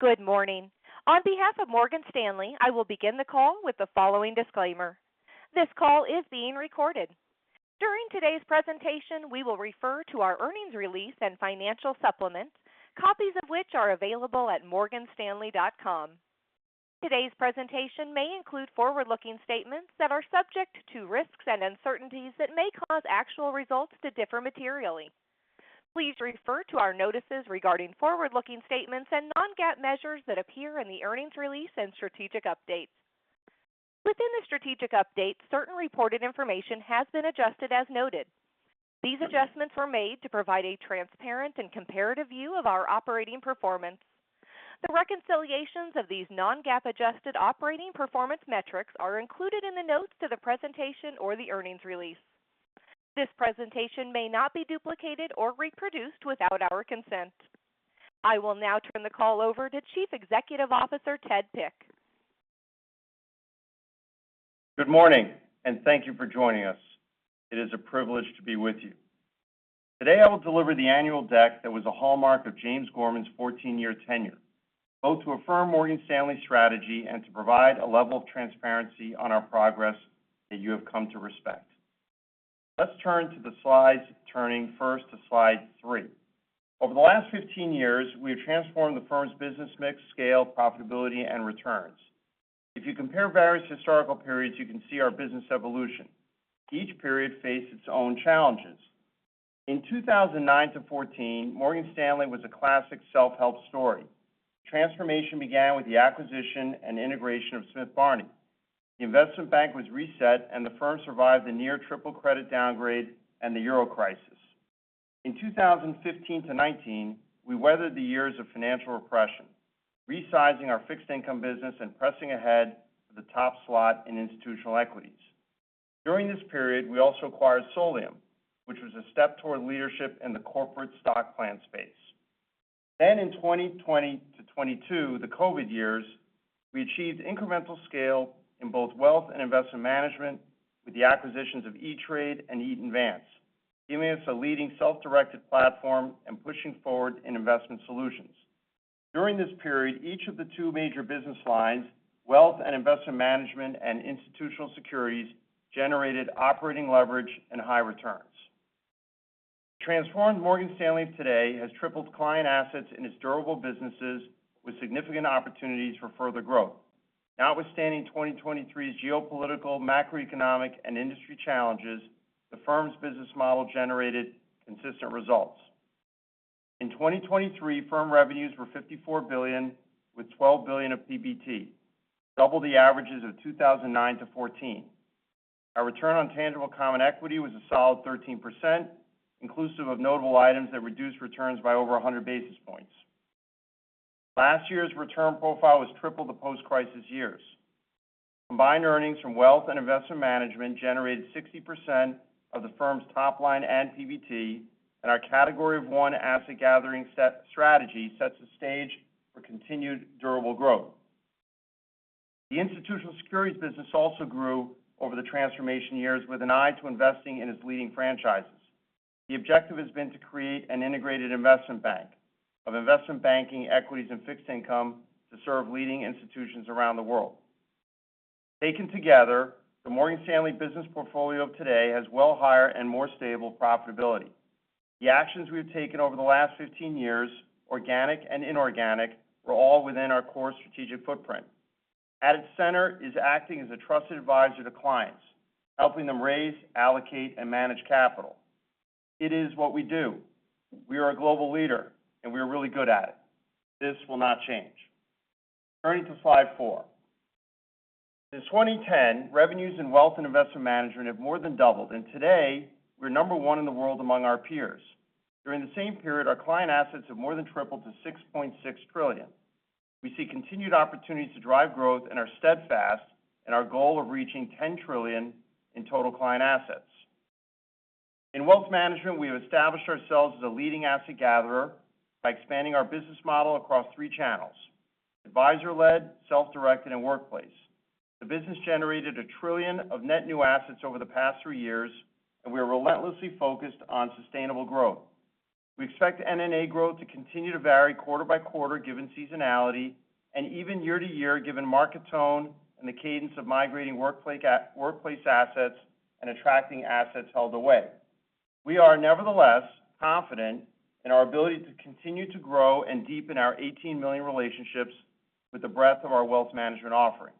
Good morning! On behalf of Morgan Stanley, I will begin the call with the following disclaimer: This call is being recorded. During today's presentation, we will refer to our earnings release and financial supplement, copies of which are available at morganstanley.com. Today's presentation may include forward-looking statements that are subject to risks and uncertainties that may cause actual results to differ materially. Please refer to our notices regarding forward-looking statements and non-GAAP measures that appear in the earnings release and strategic updates. Within the strategic update, certain reported information has been adjusted as noted. These adjustments were made to provide a transparent and comparative view of our operating performance. The reconciliations of these non-GAAP adjusted operating performance metrics are included in the notes to the presentation or the earnings release. This presentation may not be duplicated or reproduced without our consent. I will now turn the call over to Chief Executive Officer, Ted Pick. Good morning, and thank you for joining us. It is a privilege to be with you. Today, I will deliver the annual deck that was a hallmark of James Gorman's 14-year tenure, both to affirm Morgan Stanley's strategy and to provide a level of transparency on our progress that you have come to respect. Let's turn to the slides, turning first to Slide 3. Over the last 15 years, we have transformed the firm's business mix, scale, profitability, and returns. If you compare various historical periods, you can see our business evolution. Each period faced its own challenges. In 2009-14, Morgan Stanley was a classic self-help story. Transformation began with the acquisition and integration of Smith Barney. The investment bank was reset and the firm survived the near triple credit downgrade and the Euro crisis. In 2015-2019, we weathered the years of financial repression, resizing our fixed income business and pressing ahead to the top slot in institutional equities. During this period, we also acquired Solium, which was a step toward leadership in the corporate stock plan space. Then, in 2020-2022, the COVID years, we achieved incremental scale in both wealth and investment management with the acquisitions of E*TRADE and Eaton Vance, giving us a leading self-directed platform and pushing forward in investment solutions. During this period, each of the two major business lines, wealth and investment management and institutional securities, generated operating leverage and high returns. Transformed Morgan Stanley today has tripled client assets in its durable businesses with significant opportunities for further growth. Notwithstanding 2023's geopolitical, macroeconomic, and industry challenges, the firm's business model generated consistent results. In 2023, firm revenues were $54 billion, with $12 billion of PBT, double the averages of 2009-2014. Our return on tangible common equity was a solid 13%, inclusive of notable items that reduced returns by over 100 basis points. Last year's return profile was triple the post-crisis years. Combined earnings from wealth and investment management generated 60% of the firm's top line and PBT, and our category of one asset gathering set strategy sets the stage for continued durable growth. The institutional securities business also grew over the transformation years with an eye to investing in its leading franchises. The objective has been to create an integrated investment bank of investment banking, equities, and fixed income to serve leading institutions around the world. Taken together, the Morgan Stanley business portfolio of today has well higher and more stable profitability. The actions we've taken over the last 15 years, organic and inorganic, were all within our core strategic footprint. At its center is acting as a trusted advisor to clients, helping them raise, allocate, and manage capital. It is what we do. We are a global leader, and we are really good at it. This will not change. Turning to Slide 4. In 2010, revenues in wealth and investment management have more than doubled, and today, we're number one in the world among our peers. During the same period, our client assets have more than tripled to $6.6 trillion. We see continued opportunities to drive growth and are steadfast in our goal of reaching $10 trillion in total client assets. In wealth management, we've established ourselves as a leading asset gatherer by expanding our business model across three channels: advisor-led, self-directed, and workplace. The business generated $1 trillion of net new assets over the past 3 years, and we are relentlessly focused on sustainable growth. We expect NNA growth to continue to vary quarter by quarter, given seasonality, and even year to year, given market tone and the cadence of migrating workplace assets and attracting assets held away. We are nevertheless confident in our ability to continue to grow and deepen our 18 million relationships with the breadth of our wealth management offering.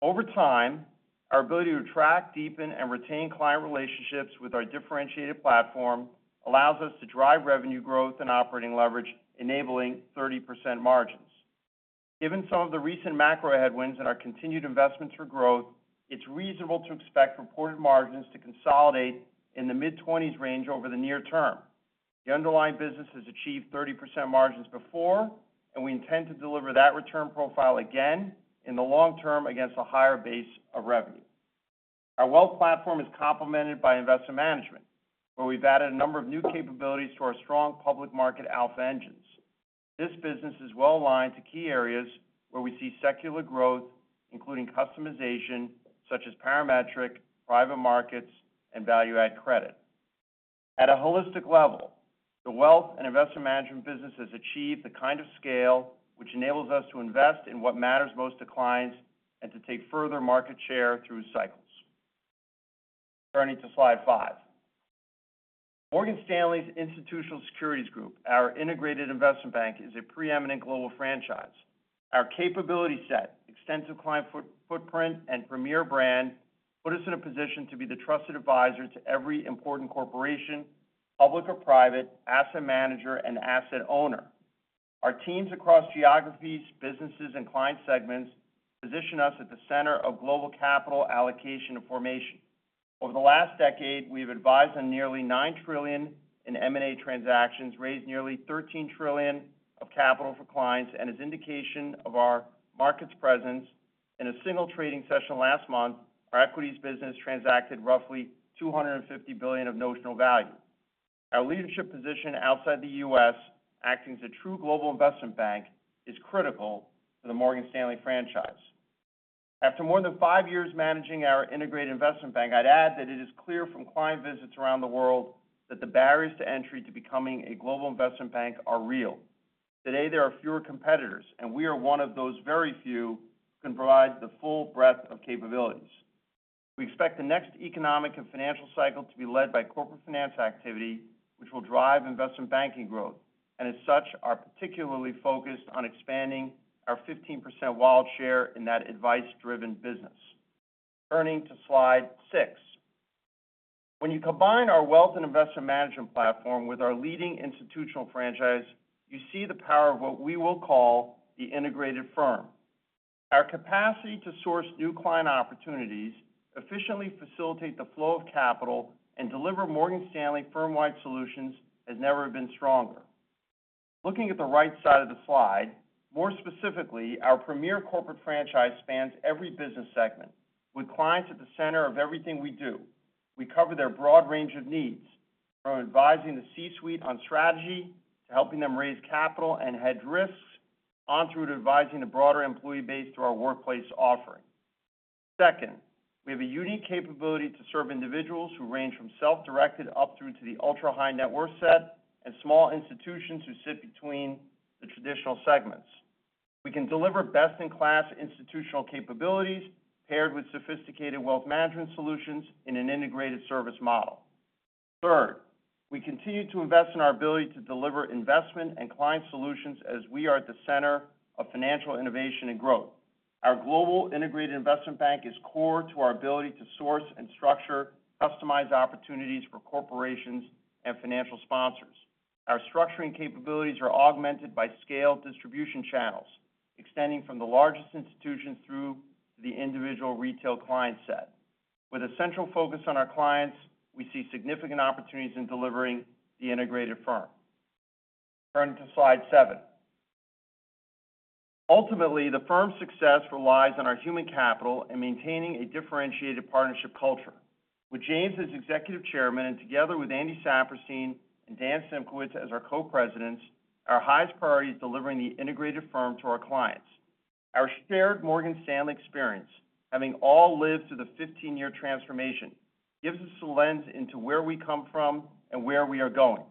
Over time, our ability to attract, deepen, and retain client relationships with our differentiated platform allows us to drive revenue growth and operating leverage, enabling 30% margins. Given some of the recent macro headwinds and our continued investments for growth, it's reasonable to expect reported margins to consolidate in the mid-20s range over the near term. The underlying business has achieved 30% margins before, and we intend to deliver that return profile again in the long term against a higher base of revenue. Our wealth platform is complemented by investment management, where we've added a number of new capabilities to our strong public market alpha engines. This business is well aligned to key areas where we see secular growth, including customization such as Parametric, private markets, and value-add credit.... At a holistic level, the wealth and investor management business has achieved the kind of scale which enables us to invest in what matters most to clients and to take further market share through cycles. Turning to slide 5. Morgan Stanley's Institutional Securities Group, our integrated investment bank, is a preeminent global franchise. Our capability set, extensive client footprint, and premier brand put us in a position to be the trusted advisor to every important corporation, public or private, asset manager, and asset owner. Our teams across geographies, businesses, and client segments position us at the center of global capital allocation and formation. Over the last decade, we've advised on nearly $9 trillion in M&A transactions, raised nearly $13 trillion of capital for clients, and as indication of our markets presence, in a single trading session last month, our equities business transacted roughly $250 billion of notional value. Our leadership position outside the U.S., acting as a true global investment bank, is critical to the Morgan Stanley franchise. After more than five years managing our integrated investment bank, I'd add that it is clear from client visits around the world, that the barriers to entry to becoming a global investment bank are real. Today, there are fewer competitors, and we are one of those very few who can provide the full breadth of capabilities. We expect the next economic and financial cycle to be led by corporate finance activity, which will drive investment banking growth, and as such, are particularly focused on expanding our 15% wallet share in that advice-driven business. Turning to Slide 6. When you combine our wealth and investment management platform with our leading institutional franchise, you see the power of what we will call the integrated firm. Our capacity to source new client opportunities, efficiently facilitate the flow of capital, and deliver Morgan Stanley firm-wide solutions has never been stronger. Looking at the right side of the slide, more specifically, our premier corporate franchise spans every business segment, with clients at the center of everything we do. We cover their broad range of needs, from advising the C-suite on strategy, to helping them raise capital and hedge risks, on through to advising the broader employee base through our workplace offering. Second, we have a unique capability to serve individuals who range from self-directed up through to the ultra-high net worth set, and small institutions who sit between the traditional segments. We can deliver best-in-class institutional capabilities, paired with sophisticated wealth management solutions in an integrated service model. Third, we continue to invest in our ability to deliver investment and client solutions as we are at the center of financial innovation and growth. Our global integrated investment bank is core to our ability to source and structure customized opportunities for corporations and financial sponsors. Our structuring capabilities are augmented by scaled distribution channels, extending from the largest institutions through the individual retail client set. With a central focus on our clients, we see significant opportunities in delivering the integrated firm. Turning to slide 7. Ultimately, the firm's success relies on our human capital and maintaining a differentiated partnership culture. With James as Executive Chairman, and together with Andy Saperstein and Dan Simkowitz as our Co-Presidents, our highest priority is delivering the integrated firm to our clients. Our shared Morgan Stanley experience, having all lived through the 15-year transformation, gives us a lens into where we come from and where we are going.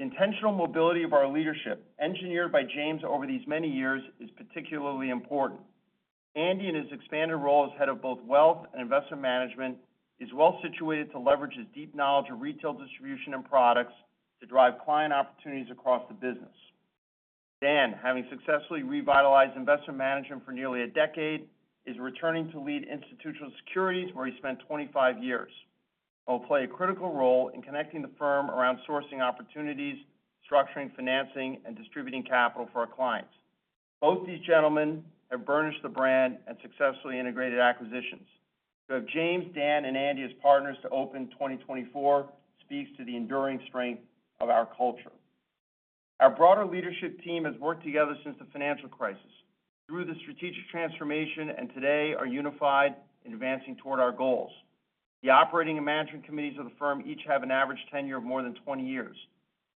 Intentional mobility of our leadership, engineered by James over these many years, is particularly important. Andy, in his expanded role as head of both wealth and investment management, is well situated to leverage his deep knowledge of retail distribution and products to drive client opportunities across the business. Dan, having successfully revitalized investment management for nearly a decade, is returning to lead institutional securities, where he spent 25 years, and will play a critical role in connecting the firm around sourcing opportunities, structuring, financing, and distributing capital for our clients. Both these gentlemen have burnished the brand and successfully integrated acquisitions. So have James, Dan, and Andy as partners to open 2024 speaks to the enduring strength of our culture. Our broader leadership team has worked together since the financial crisis, through the strategic transformation, and today are unified in advancing toward our goals. The operating and management committees of the firm each have an average tenure of more than 20 years.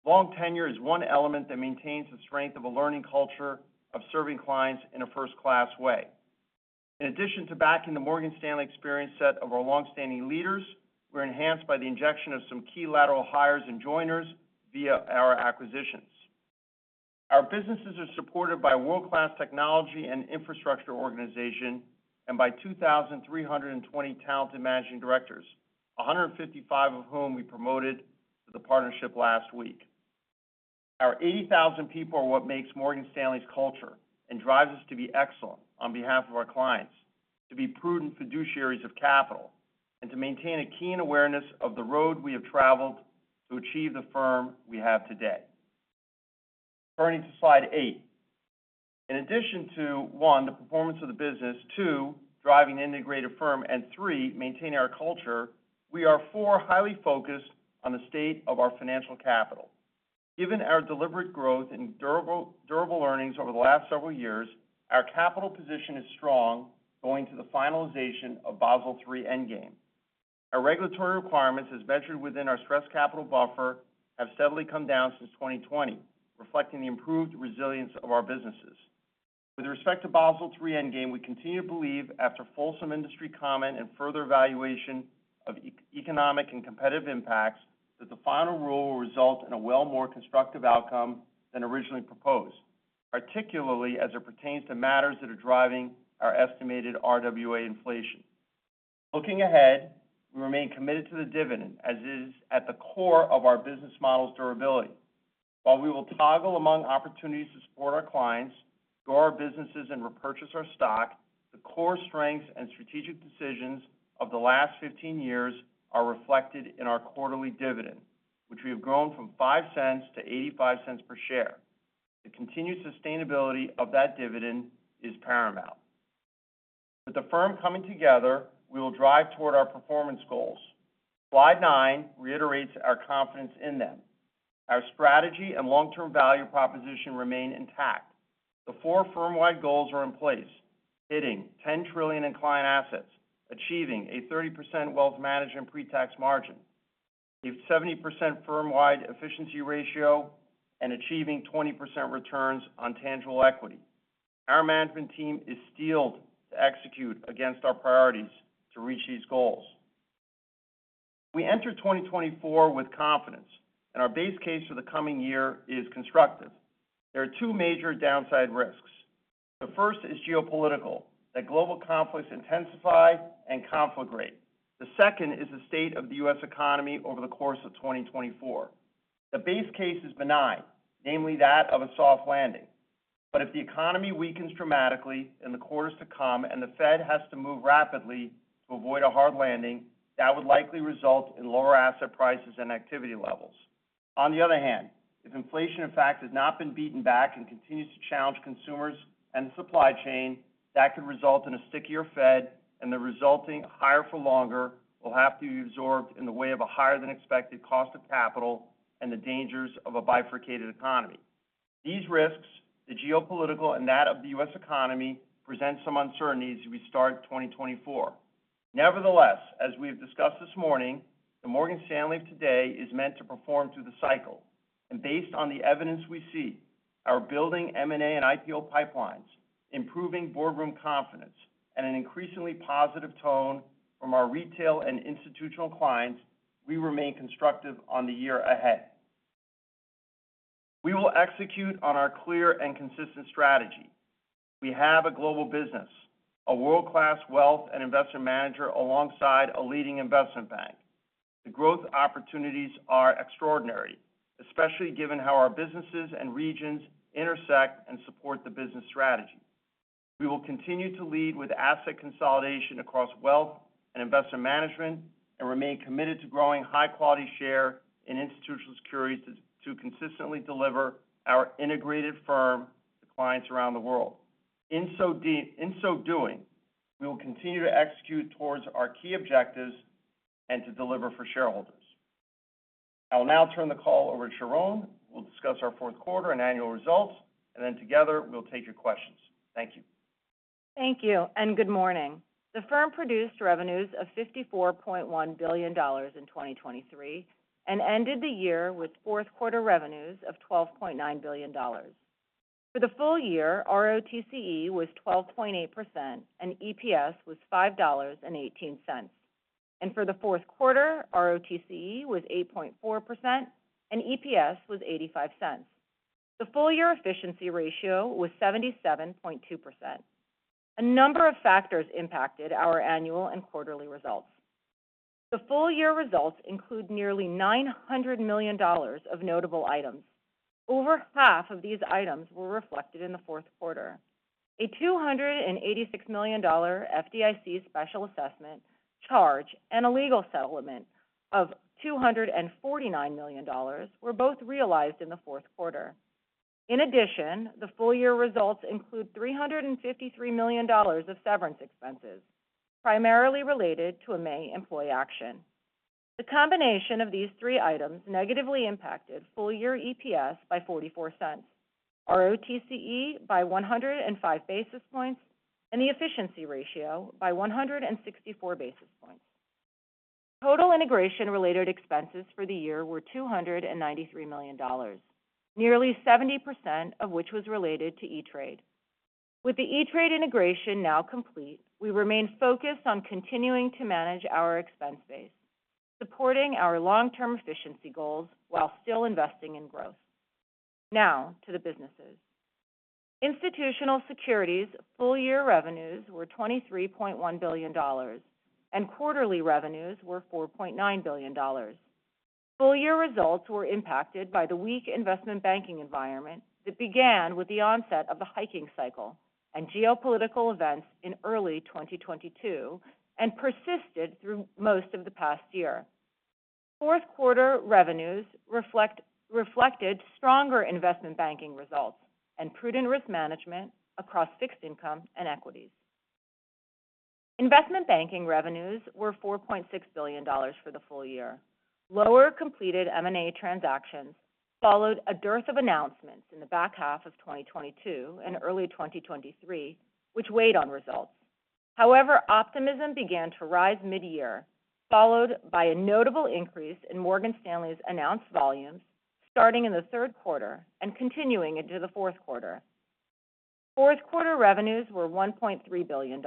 Long tenure is one element that maintains the strength of a learning culture of serving clients in a first-class way. In addition to backing the Morgan Stanley experience set of our long-standing leaders, we're enhanced by the injection of some key lateral hires and joiners via our acquisitions. Our businesses are supported by world-class technology and infrastructure organization, and by 2,320 talented managing directors, 155 of whom we promoted to the partnership last week. Our 80,000 people are what makes Morgan Stanley's culture and drives us to be excellent on behalf of our clients, to be prudent fiduciaries of capital, and to maintain a keen awareness of the road we have traveled to achieve the firm we have today. Turning to slide eight. In addition to, 1, the performance of the business, 2, driving the integrated firm, and 3, maintaining our culture, we are 4, highly focused on the state of our financial capital. Given our deliberate growth and durable, durable earnings over the last several years, our capital position is strong going to the finalization of Basel III Endgame. Our regulatory requirements, as measured within our stress capital buffer, have steadily come down since 2020, reflecting the improved resilience of our businesses. With respect to Basel III Endgame, we continue to believe, after following industry comment and further evaluation of economic and competitive impacts, that the final rule will result in a far more constructive outcome than originally proposed, particularly as it pertains to matters that are driving our estimated RWA inflation. Looking ahead, we remain committed to the dividend, as it is at the core of our business model's durability. While we will toggle among opportunities to support our clients, grow our businesses, and repurchase our stock, the core strengths and strategic decisions of the last 15 years are reflected in our quarterly dividend, which we have grown from $0.05 to $0.85 per share. The continued sustainability of that dividend is paramount. With the firm coming together, we will drive toward our performance goals. Slide 9 reiterates our confidence in them. Our strategy and long-term value proposition remain intact. The four firm-wide goals are in place, hitting $10 trillion in client assets, achieving a 30% wealth management pretax margin, a 70% firm-wide efficiency ratio, and achieving 20% returns on tangible equity. Our management team is steeled to execute against our priorities to reach these goals. We enter 2024 with confidence, and our base case for the coming year is constructive. There are two major downside risks. The first is geopolitical, that global conflicts intensify and conflagrate. The second is the state of the U.S. economy over the course of 2024. The base case is benign, namely that of a soft landing. But if the economy weakens dramatically in the quarters to come and the Fed has to move rapidly to avoid a hard landing, that would likely result in lower asset prices and activity levels. On the other hand, if inflation, in fact, has not been beaten back and continues to challenge consumers and the supply chain, that could result in a stickier Fed, and the resulting higher for longer will have to be absorbed in the way of a higher-than-expected cost of capital and the dangers of a bifurcated economy. These risks, the geopolitical and that of the U.S. economy, present some uncertainty as we start 2024. Nevertheless, as we have discussed this morning, the Morgan Stanley of today is meant to perform through the cycle. And based on the evidence we see, our building M&A and IPO pipelines, improving boardroom confidence, and an increasingly positive tone from our retail and institutional clients, we remain constructive on the year ahead. We will execute on our clear and consistent strategy. We have a global business, a world-class wealth and investment manager, alongside a leading investment bank. The growth opportunities are extraordinary, especially given how our businesses and regions intersect and support the business strategy. We will continue to lead with asset consolidation across wealth and investment management, and remain committed to growing high-quality share in institutional securities to consistently deliver our integrated firm to clients around the world. In so doing, we will continue to execute towards our key objectives and to deliver for shareholders. I will now turn the call over to Sharon, who will discuss our Q4 and annual results, and then together, we'll take your questions. Thank you. Thank you, and good morning. The firm produced revenues of $54.1 billion in 2023, and ended the year with Q4 revenues of $12.9 billion. For the full year, ROTCE was 12.8%, and EPS was $5.18. For the Q4, ROTCE was 8.4%, and EPS was $0.85. The full-year efficiency ratio was 77.2%. A number of factors impacted our annual and quarterly results. The full-year results include nearly $900 million of notable items. Over half of these items were reflected in the Q4. A $286 million FDIC special assessment charge, and a legal settlement of $249 million were both realized in the Q4. In addition, the full-year results include $353 million of severance expenses, primarily related to a May employee action. The combination of these three items negatively impacted full-year EPS by $0.44, ROTCE by 105 basis points, and the efficiency ratio by 164 basis points. Total integration-related expenses for the year were $293 million, nearly 70% of which was related to E*TRADE. With the E*TRADE integration now complete, we remain focused on continuing to manage our expense base, supporting our long-term efficiency goals while still investing in growth. Now, to the businesses. Institutional Securities' full-year revenues were $23.1 billion, and quarterly revenues were $4.9 billion. Full-year results were impacted by the weak investment banking environment that began with the onset of the hiking cycle and geopolitical events in early 2022, and persisted through most of the past year. Q4 revenues reflected stronger investment banking results and prudent risk management across fixed income and equities. Investment banking revenues were $4.6 billion for the full year. Lower completed M&A transactions followed a dearth of announcements in the back half of 2022 and early 2023, which weighed on results... However, optimism began to rise mid-year, followed by a notable increase in Morgan Stanley's announced volumes, starting in the Q3 and continuing into the Q4. Q4 revenues were $1.3 billion.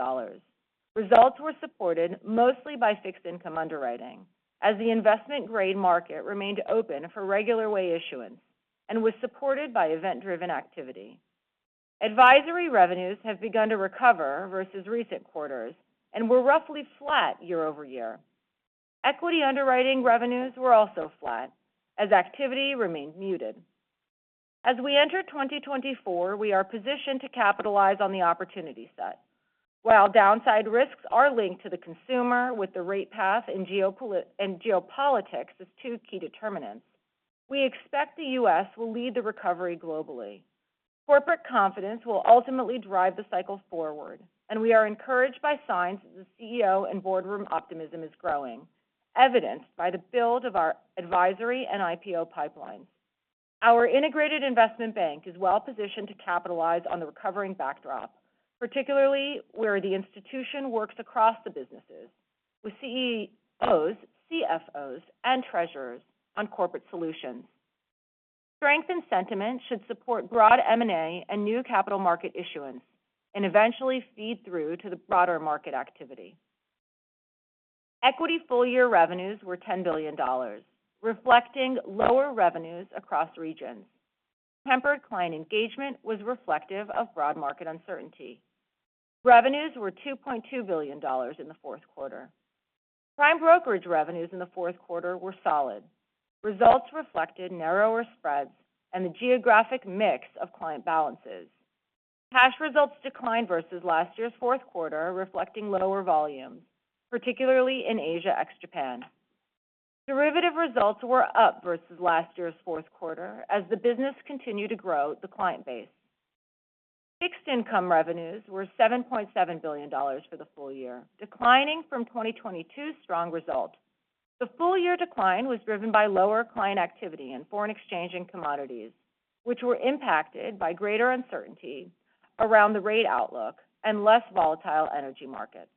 Results were supported mostly by fixed income underwriting, as the investment grade market remained open for regular way issuance and was supported by event-driven activity. Advisory revenues have begun to recover versus recent quarters and were roughly flat year-over-year. Equity underwriting revenues were also flat as activity remained muted. As we enter 2024, we are positioned to capitalize on the opportunity set. While downside risks are linked to the consumer, with the rate path and geopolitics as two key determinants, we expect the U.S. will lead the recovery globally. Corporate confidence will ultimately drive the cycle forward, and we are encouraged by signs that the CEO and boardroom optimism is growing, evidenced by the build of our advisory and IPO pipelines. Our integrated investment bank is well positioned to capitalize on the recovering backdrop, particularly where the institution works across the businesses with CEOs, CFOs, and treasurers on corporate solutions. Strengthened sentiment should support broad M&A and new capital market issuance and eventually feed through to the broader market activity. Equity full-year revenues were $10 billion, reflecting lower revenues across regions. Tempered client engagement was reflective of broad market uncertainty. Revenues were $2.2 billion in the Q4. Prime brokerage revenues in the Q4 were solid. Results reflected narrower spreads and the geographic mix of client balances. Cash results declined versus last year's Q4, reflecting lower volumes, particularly in Asia ex Japan. Derivative results were up versus last year's Q4 as the business continued to grow the client base. Fixed income revenues were $7.7 billion for the full year, declining from 2022's strong result. The full-year decline was driven by lower client activity in foreign exchange and commodities, which were impacted by greater uncertainty around the rate outlook and less volatile energy markets.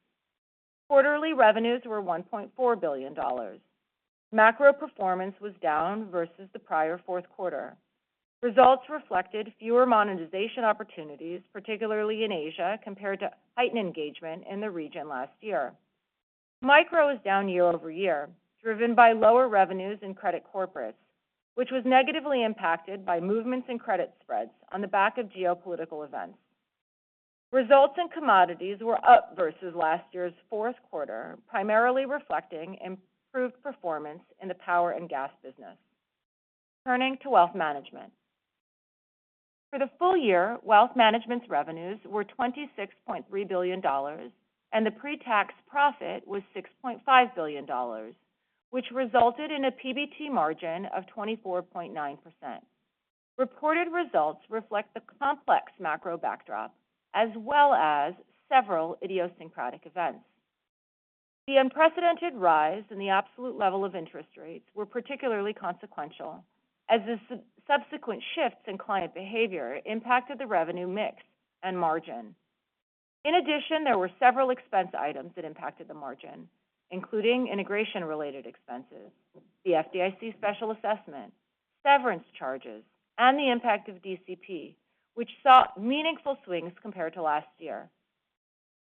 Quarterly revenues were $1.4 billion. Macro performance was down versus the prior Q4. Results reflected fewer monetization opportunities, particularly in Asia, compared to heightened engagement in the region last year. Micro was down year-over-year, driven by lower revenues in credit corporates, which was negatively impacted by movements in credit spreads on the back of geopolitical events. Results in commodities were up versus last year's Q4, primarily reflecting improved performance in the power and gas business. Turning to Wealth Management. For the full year, Wealth Management's revenues were $26.3 billion, and the pre-tax profit was $6.5 billion, which resulted in a PBT margin of 24.9%. Reported results reflect the complex macro backdrop as well as several idiosyncratic events. The unprecedented rise in the absolute level of interest rates were particularly consequential, as the subsequent shifts in client behavior impacted the revenue mix and margin. In addition, there were several expense items that impacted the margin, including integration-related expenses, the FDIC special assessment, severance charges, and the impact of DCP, which saw meaningful swings compared to last year.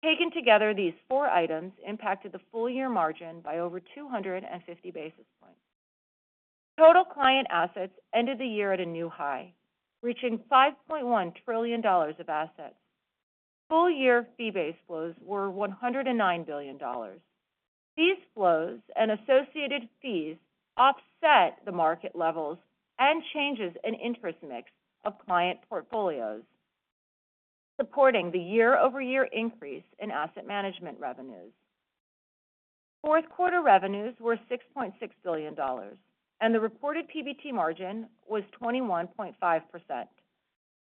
Taken together, these four items impacted the full-year margin by over 250 basis points. Total client assets ended the year at a new high, reaching $5.1 trillion of assets. Full-year fee-based flows were $109 billion. These flows and associated fees offset the market levels and changes in interest mix of client portfolios, supporting the year-over-year increase in asset management revenues. Q4 revenues were $6.6 billion, and the reported PBT margin was 21.5%.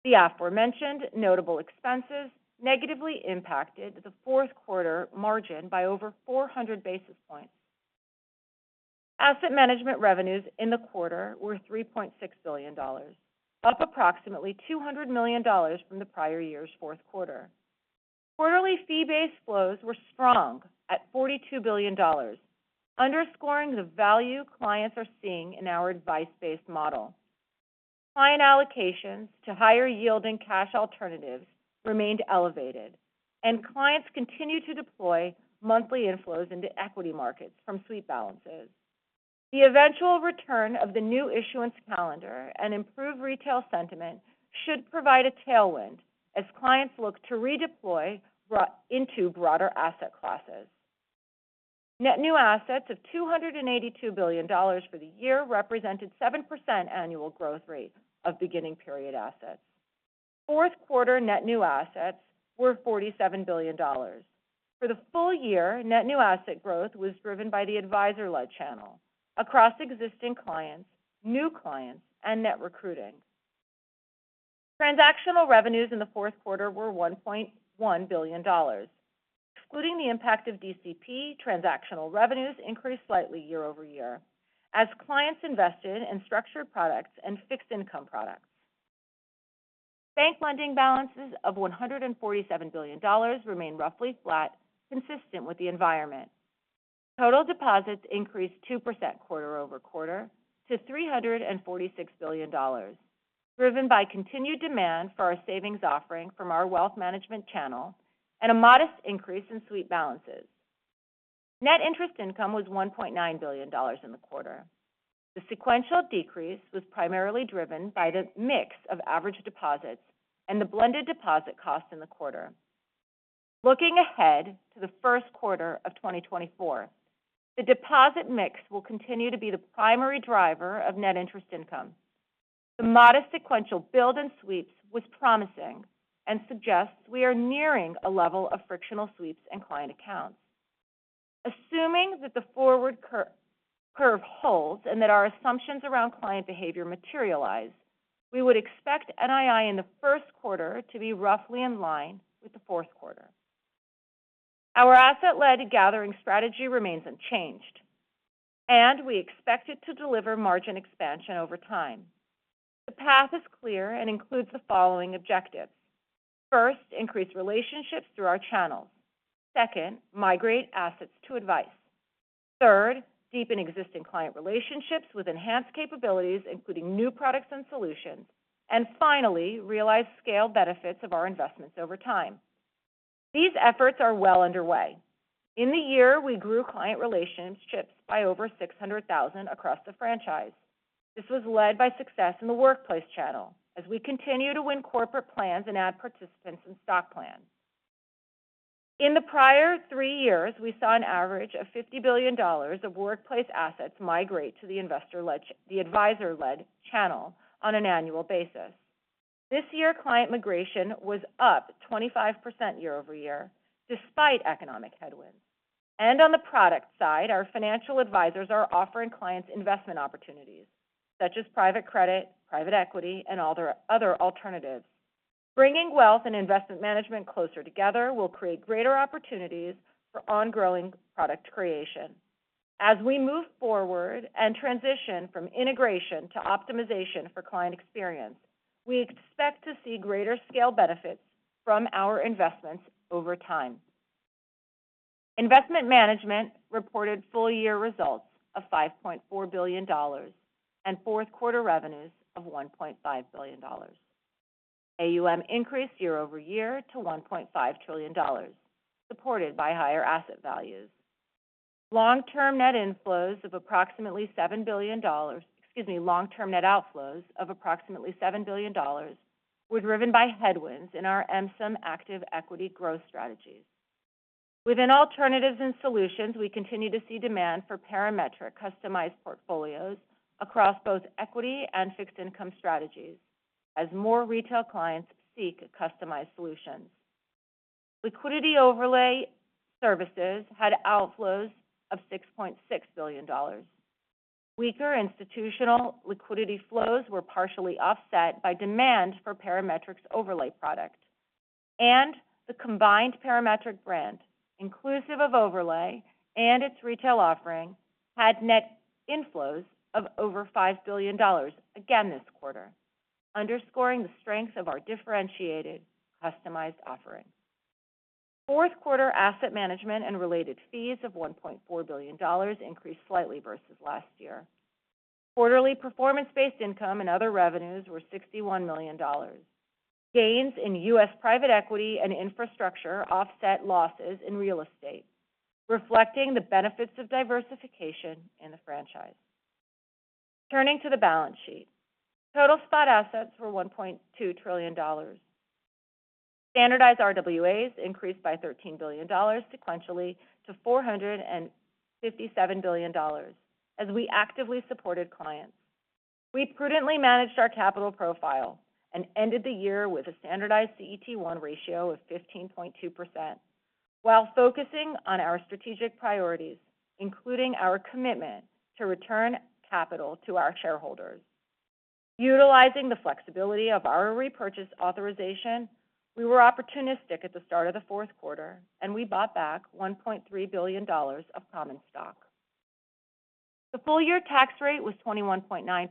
The aforementioned notable expenses negatively impacted the Q4 margin by over 400 basis points. Asset Management revenues in the quarter were $3.6 billion, up approximately $200 million from the prior year's Q4. Quarterly fee-based flows were strong at $42 billion, underscoring the value clients are seeing in our advice-based model. Client allocations to higher yielding cash alternatives remained elevated, and clients continued to deploy monthly inflows into equity markets from sweep balances. The eventual return of the new issuance calendar and improved retail sentiment should provide a tailwind as clients look to redeploy broader into broader asset classes. Net new assets of $282 billion for the year represented 7% annual growth rate of beginning period assets. Q4 net new assets were $47 billion. For the full year, net new asset growth was driven by the advisor-led channel across existing clients, new clients, and net recruiting. Transactional revenues in the Q4 were $1.1 billion. Excluding the impact of DCP, transactional revenues increased slightly year over year, as clients invested in structured products and fixed income products. Bank lending balances of $147 billion remained roughly flat, consistent with the environment. Total deposits increased 2% quarter over quarter to $346 billion, driven by continued demand for our savings offering from our wealth management channel and a modest increase in sweep balances. Net interest income was $1.9 billion in the quarter. The sequential decrease was primarily driven by the mix of average deposits and the blended deposit cost in the quarter. Looking ahead to the Q1 of 2024, the deposit mix will continue to be the primary driver of net interest income. The modest sequential build in sweeps was promising and suggests we are nearing a level of frictional sweeps and client accounts. Assuming that the forward curve holds and that our assumptions around client behavior materialize, we would expect NII in the Q1 to be roughly in line with the Q4. Our asset-led gathering strategy remains unchanged, and we expect it to deliver margin expansion over time. The path is clear and includes the following objectives. First, increase relationships through our channels. Second, migrate assets to advice. Third, deepen existing client relationships with enhanced capabilities, including new products and solutions. And finally, realize scale benefits of our investments over time. These efforts are well underway. In the year, we grew client relationships by over 600,000 across the franchise. This was led by success in the workplace channel as we continue to win corporate plans and add participants in stock plans. In the prior 3 years, we saw an average of $50 billion of workplace assets migrate to the advisor-led channel on an annual basis. This year, client migration was up 25% year-over-year, despite economic headwinds. And on the product side, our financial advisors are offering clients investment opportunities such as private credit, private equity, and other alternatives. Bringing wealth and investment management closer together will create greater opportunities for ongoing product creation. As we move forward and transition from integration to optimization for client experience, we expect to see greater scale benefits from our investments over time. Investment Management reported full-year results of $5.4 billion and Q4 revenues of $1.5 billion. AUM increased year-over-year to $1.5 trillion, supported by higher asset values. Long-term net inflows of approximately $7 billion—excuse me, long-term net outflows of approximately $7 billion were driven by headwinds in our MSIM active equity growth strategies. Within alternatives and solutions, we continue to see demand for Parametric customized portfolios across both equity and fixed income strategies as more retail clients seek customized solutions. Liquidity overlay services had outflows of $6.6 billion. Weaker institutional liquidity flows were partially offset by demand for Parametric's overlay product, and the combined Parametric brand, inclusive of overlay and its retail offering, had net inflows of over $5 billion again this quarter, underscoring the strength of our differentiated customized offerings. Q4 asset management and related fees of $1.4 billion increased slightly versus last year. Quarterly performance-based income and other revenues were $61 million. Gains in US private equity and infrastructure offset losses in real estate, reflecting the benefits of diversification in the franchise. Turning to the balance sheet. Total spot assets were $1.2 trillion. Standardized RWAs increased by $13 billion sequentially to $457 billion as we actively supported clients. We prudently managed our capital profile and ended the year with a standardized CET1 ratio of 15.2% while focusing on our strategic priorities, including our commitment to return capital to our shareholders. Utilizing the flexibility of our repurchase authorization, we were opportunistic at the start of the Q4, and we bought back $1.3 billion of common stock. The full-year tax rate was 21.9%,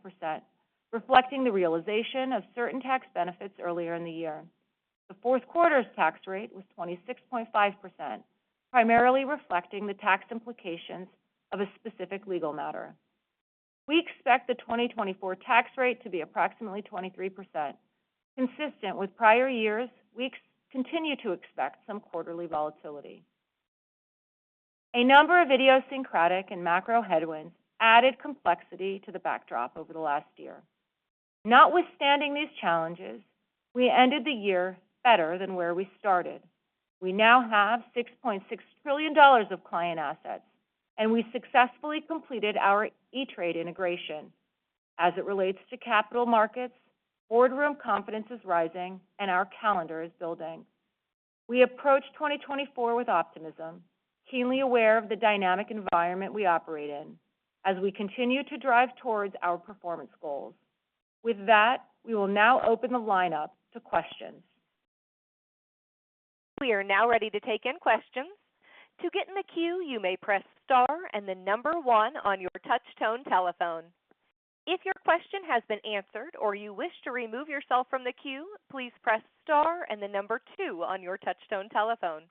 reflecting the realization of certain tax benefits earlier in the year. The Q4's tax rate was 26.5%, primarily reflecting the tax implications of a specific legal matter. We expect the 2024 tax rate to be approximately 23%. Consistent with prior years, we continue to expect some quarterly volatility. A number of idiosyncratic and macro headwinds added complexity to the backdrop over the last year. Notwithstanding these challenges, we ended the year better than where we started. We now have $6.6 trillion of client assets, and we successfully completed our E*TRADE integration. As it relates to capital markets, boardroom confidence is rising, and our calendar is building. We approach 2024 with optimism, keenly aware of the dynamic environment we operate in as we continue to drive towards our performance goals. With that, we will now open the line up to questions.... We are now ready to take in questions. To get in the queue, you may press star and the number one on your touchtone telephone. If your question has been answered or you wish to remove yourself from the queue, please press star and the number two on your touchtone telephone.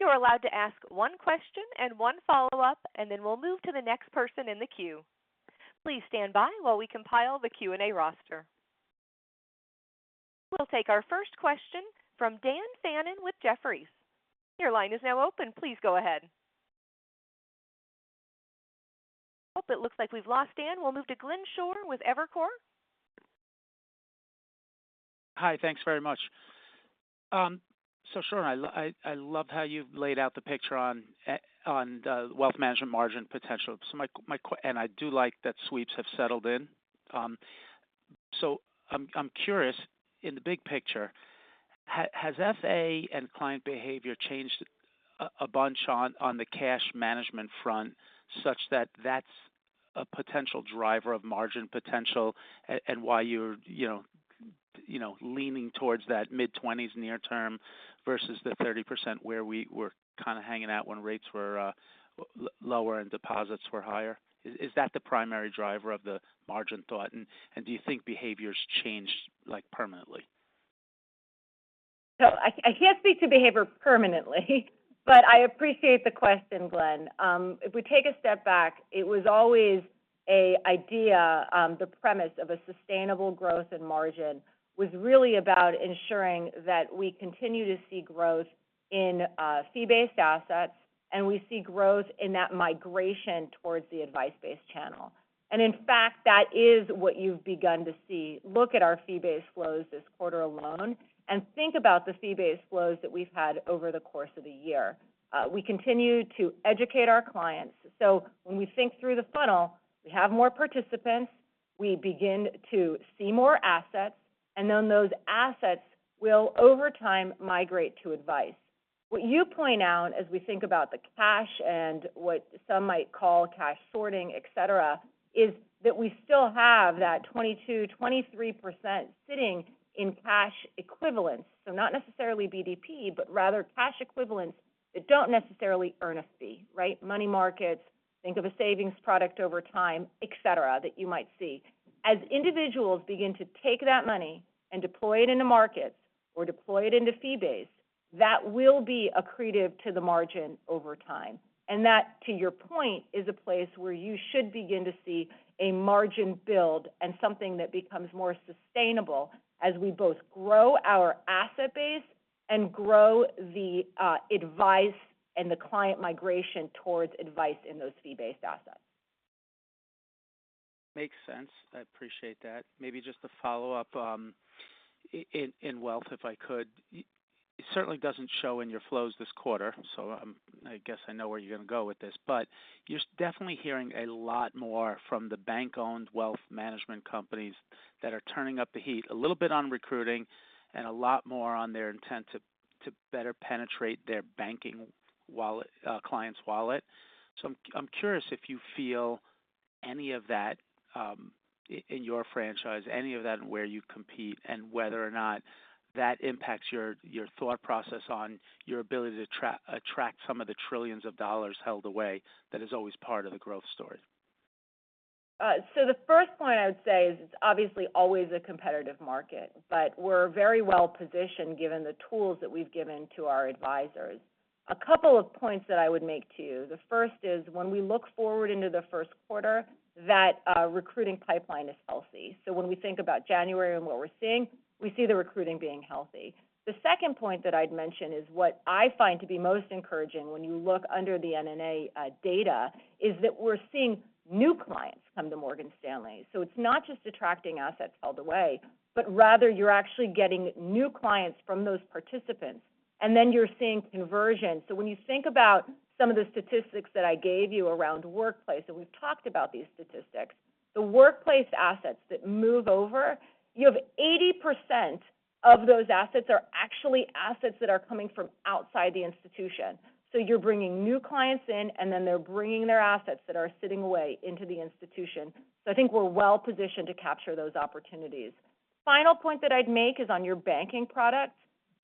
You are allowed to ask one question and one follow-up, and then we'll move to the next person in the queue. Please stand by while we compile the Q&A roster. We'll take our first question from Dan Fannon with Jefferies. Your line is now open. Please go ahead. Oh, it looks like we've lost Dan. We'll move to Glenn Schorr with Evercore. Hi, thanks very much. So Sharon, I love how you've laid out the picture on the wealth management margin potential. So my question—and I do like that sweeps have settled in. So I'm curious, in the big picture, has FA and client behavior changed a bunch on the cash management front, such that that's a potential driver of margin potential, and why you're, you know, leaning towards that mid-20s near term versus the 30% where we were kind of hanging out when rates were lower and deposits were higher? Is that the primary driver of the margin thought, and do you think behavior's changed, like, permanently? So I can't speak to behavior permanently, but I appreciate the question, Glenn. If we take a step back, it was always an idea, the premise of a sustainable growth in margin was really about ensuring that we continue to see growth in Fee-Based Assets, and we see growth in that migration towards the advice-based channel. And in fact, that is what you've begun to see. Look at our Fee-Based Flows this quarter alone, and think about the Fee-Based Flows that we've had over the course of the year. We continue to educate our clients. So when we think through the funnel, we have more participants, we begin to see more assets, and then those assets will, over time, migrate to advice. What you point out, as we think about the cash and what some might call cash sorting, et cetera, is that we still have that 22-23% sitting in cash equivalents. So not necessarily BDP, but rather cash equivalents that don't necessarily earn a fee, right? Money markets, think of a savings product over time, et cetera, that you might see. As individuals begin to take that money and deploy it into markets or deploy it into fee-based, that will be accretive to the margin over time. And that, to your point, is a place where you should begin to see a margin build and something that becomes more sustainable as we both grow our asset base and grow the advice and the client migration towards advice in those fee-based assets. Makes sense. I appreciate that. Maybe just to follow up in wealth, if I could. It certainly doesn't show in your flows this quarter, so I guess I know where you're going to go with this. But you're definitely hearing a lot more from the bank-owned wealth management companies that are turning up the heat a little bit on recruiting and a lot more on their intent to better penetrate their banking wallet, client's wallet. So I'm curious if you feel any of that in your franchise, any of that where you compete, and whether or not that impacts your thought process on your ability to attract some of the trillions of dollars held away that is always part of the growth story. So the first point I would say is it's obviously always a competitive market, but we're very well positioned given the tools that we've given to our advisors. A couple of points that I would make, too. The first is, when we look forward into the Q1, that recruiting pipeline is healthy. So when we think about January and what we're seeing, we see the recruiting being healthy. The second point that I'd mention is what I find to be most encouraging when you look under the NNA data, is that we're seeing new clients come to Morgan Stanley. So it's not just attracting assets all the way, but rather you're actually getting new clients from those participants, and then you're seeing conversion. So when you think about some of the statistics that I gave you around workplace, and we've talked about these statistics, the workplace assets that move over, you have 80% of those assets are actually assets that are coming from outside the institution. So you're bringing new clients in, and then they're bringing their assets that are sitting away into the institution. So I think we're well positioned to capture those opportunities. Final point that I'd make is on your banking products.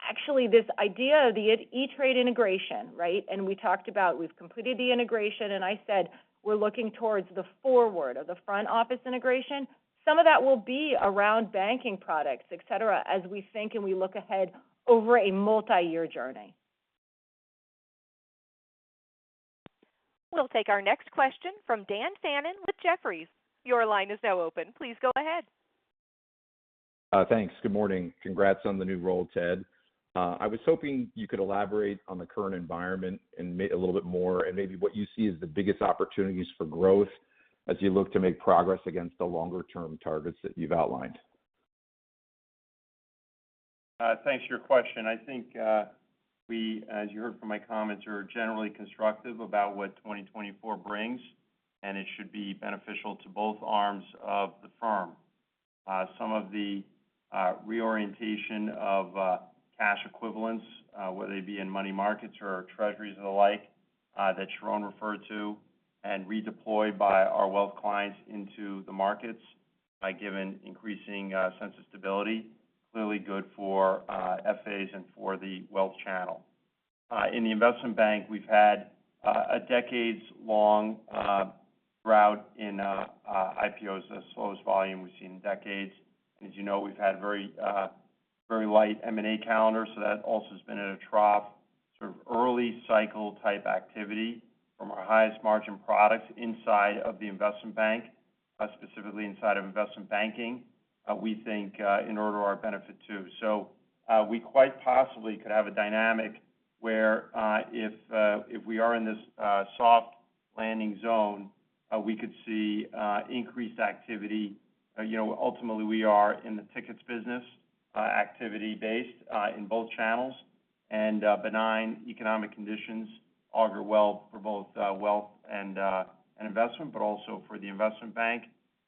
Actually, this idea of the E*TRADE integration, right? And we talked about we've completed the integration, and I said we're looking towards the forward of the front office integration. Some of that will be around banking products, et cetera, as we think and we look ahead over a multiyear journey. We'll take our next question from Dan Fannon with Jefferies. Your line is now open. Please go ahead. Thanks. Good morning. Congrats on the new role, Ted. I was hoping you could elaborate on the current environment and maybe a little bit more, and maybe what you see as the biggest opportunities for growth as you look to make progress against the longer-term targets that you've outlined. Thanks for your question. I think, we, as you heard from my comments, are generally constructive about what 2024 brings, and it should be beneficial to both arms of the firm. Some of the reorientation of cash equivalents, whether they be in money markets or treasuries and the like, that Sharon referred to, and redeployed by our wealth clients into the markets... by given increasing sense of stability, clearly good for FAs and for the wealth channel. In the investment bank, we've had a decades-long drought in IPOs, the slowest volume we've seen in decades. As you know, we've had very, very light M&A calendar, so that also has been at a trough, sort of early cycle type activity from our highest margin products inside of the investment bank, specifically inside of investment banking, we think, in order to our benefit, too. So, we quite possibly could have a dynamic where, if, if we are in this, soft landing zone, we could see, increased activity. You know, ultimately, we are in the tickets business, activity based, in both channels, and, benign economic conditions augur well for both, wealth and, and investment, but also for the investment bank.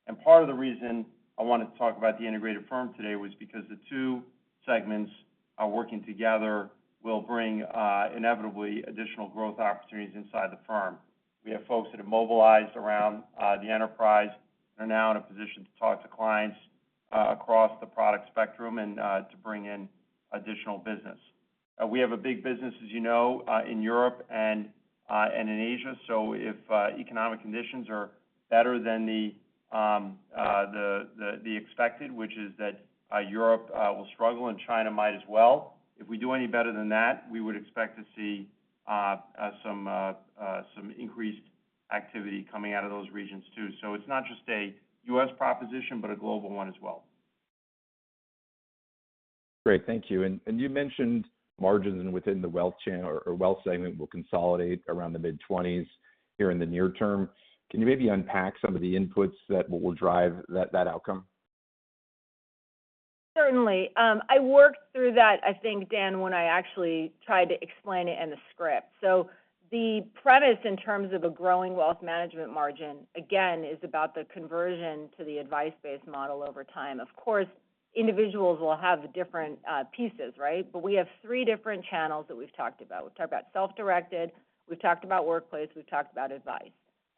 And part of the reason I wanted to talk about the integrated firm today was because the two segments are working together, will bring, inevitably additional growth opportunities inside the firm. We have folks that have mobilized around the enterprise and are now in a position to talk to clients across the product spectrum and to bring in additional business. We have a big business, as you know, in Europe and in Asia. So if economic conditions are better than the expected, which is that Europe will struggle and China might as well, if we do any better than that, we would expect to see some increased activity coming out of those regions, too. So it's not just a U.S. proposition, but a global one as well. Great. Thank you. You mentioned margins within the wealth chain or wealth segment will consolidate around the mid-twenties here in the near term. Can you maybe unpack some of the inputs that will drive that outcome? Certainly. I worked through that, I think, Dan, when I actually tried to explain it in the script. So the premise in terms of a growing wealth management margin, again, is about the conversion to the advice-based model over time. Of course, individuals will have different pieces, right? But we have three different channels that we've talked about. We've talked about self-directed, we've talked about workplace, we've talked about advice.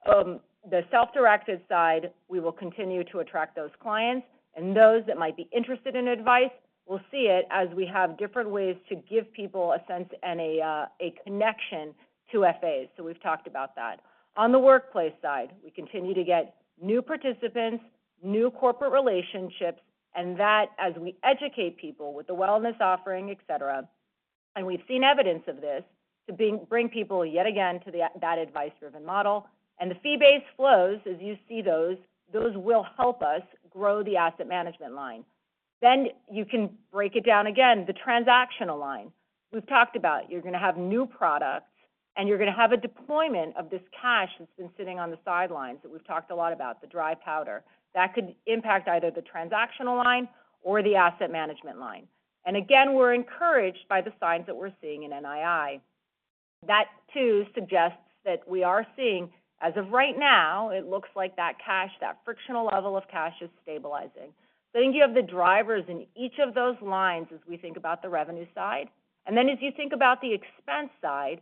The self-directed side, we will continue to attract those clients, and those that might be interested in advice will see it as we have different ways to give people a sense and a connection to FAs. So we've talked about that. On the workplace side, we continue to get new participants, new corporate relationships, and that, as we educate people with the wellness offering, et cetera, and we've seen evidence of this, to bring people yet again to that advice-driven model. And the fee-based flows, as you see those, those will help us grow the asset management line. Then you can break it down again, the transactional line. We've talked about, you're going to have new products, and you're going to have a deployment of this cash that's been sitting on the sidelines, that we've talked a lot about, the dry powder. That could impact either the transactional line or the asset management line. And again, we're encouraged by the signs that we're seeing in NII. That, too, suggests that we are seeing, as of right now, it looks like that cash, that frictional level of cash is stabilizing. So I think you have the drivers in each of those lines as we think about the revenue side. And then as you think about the expense side,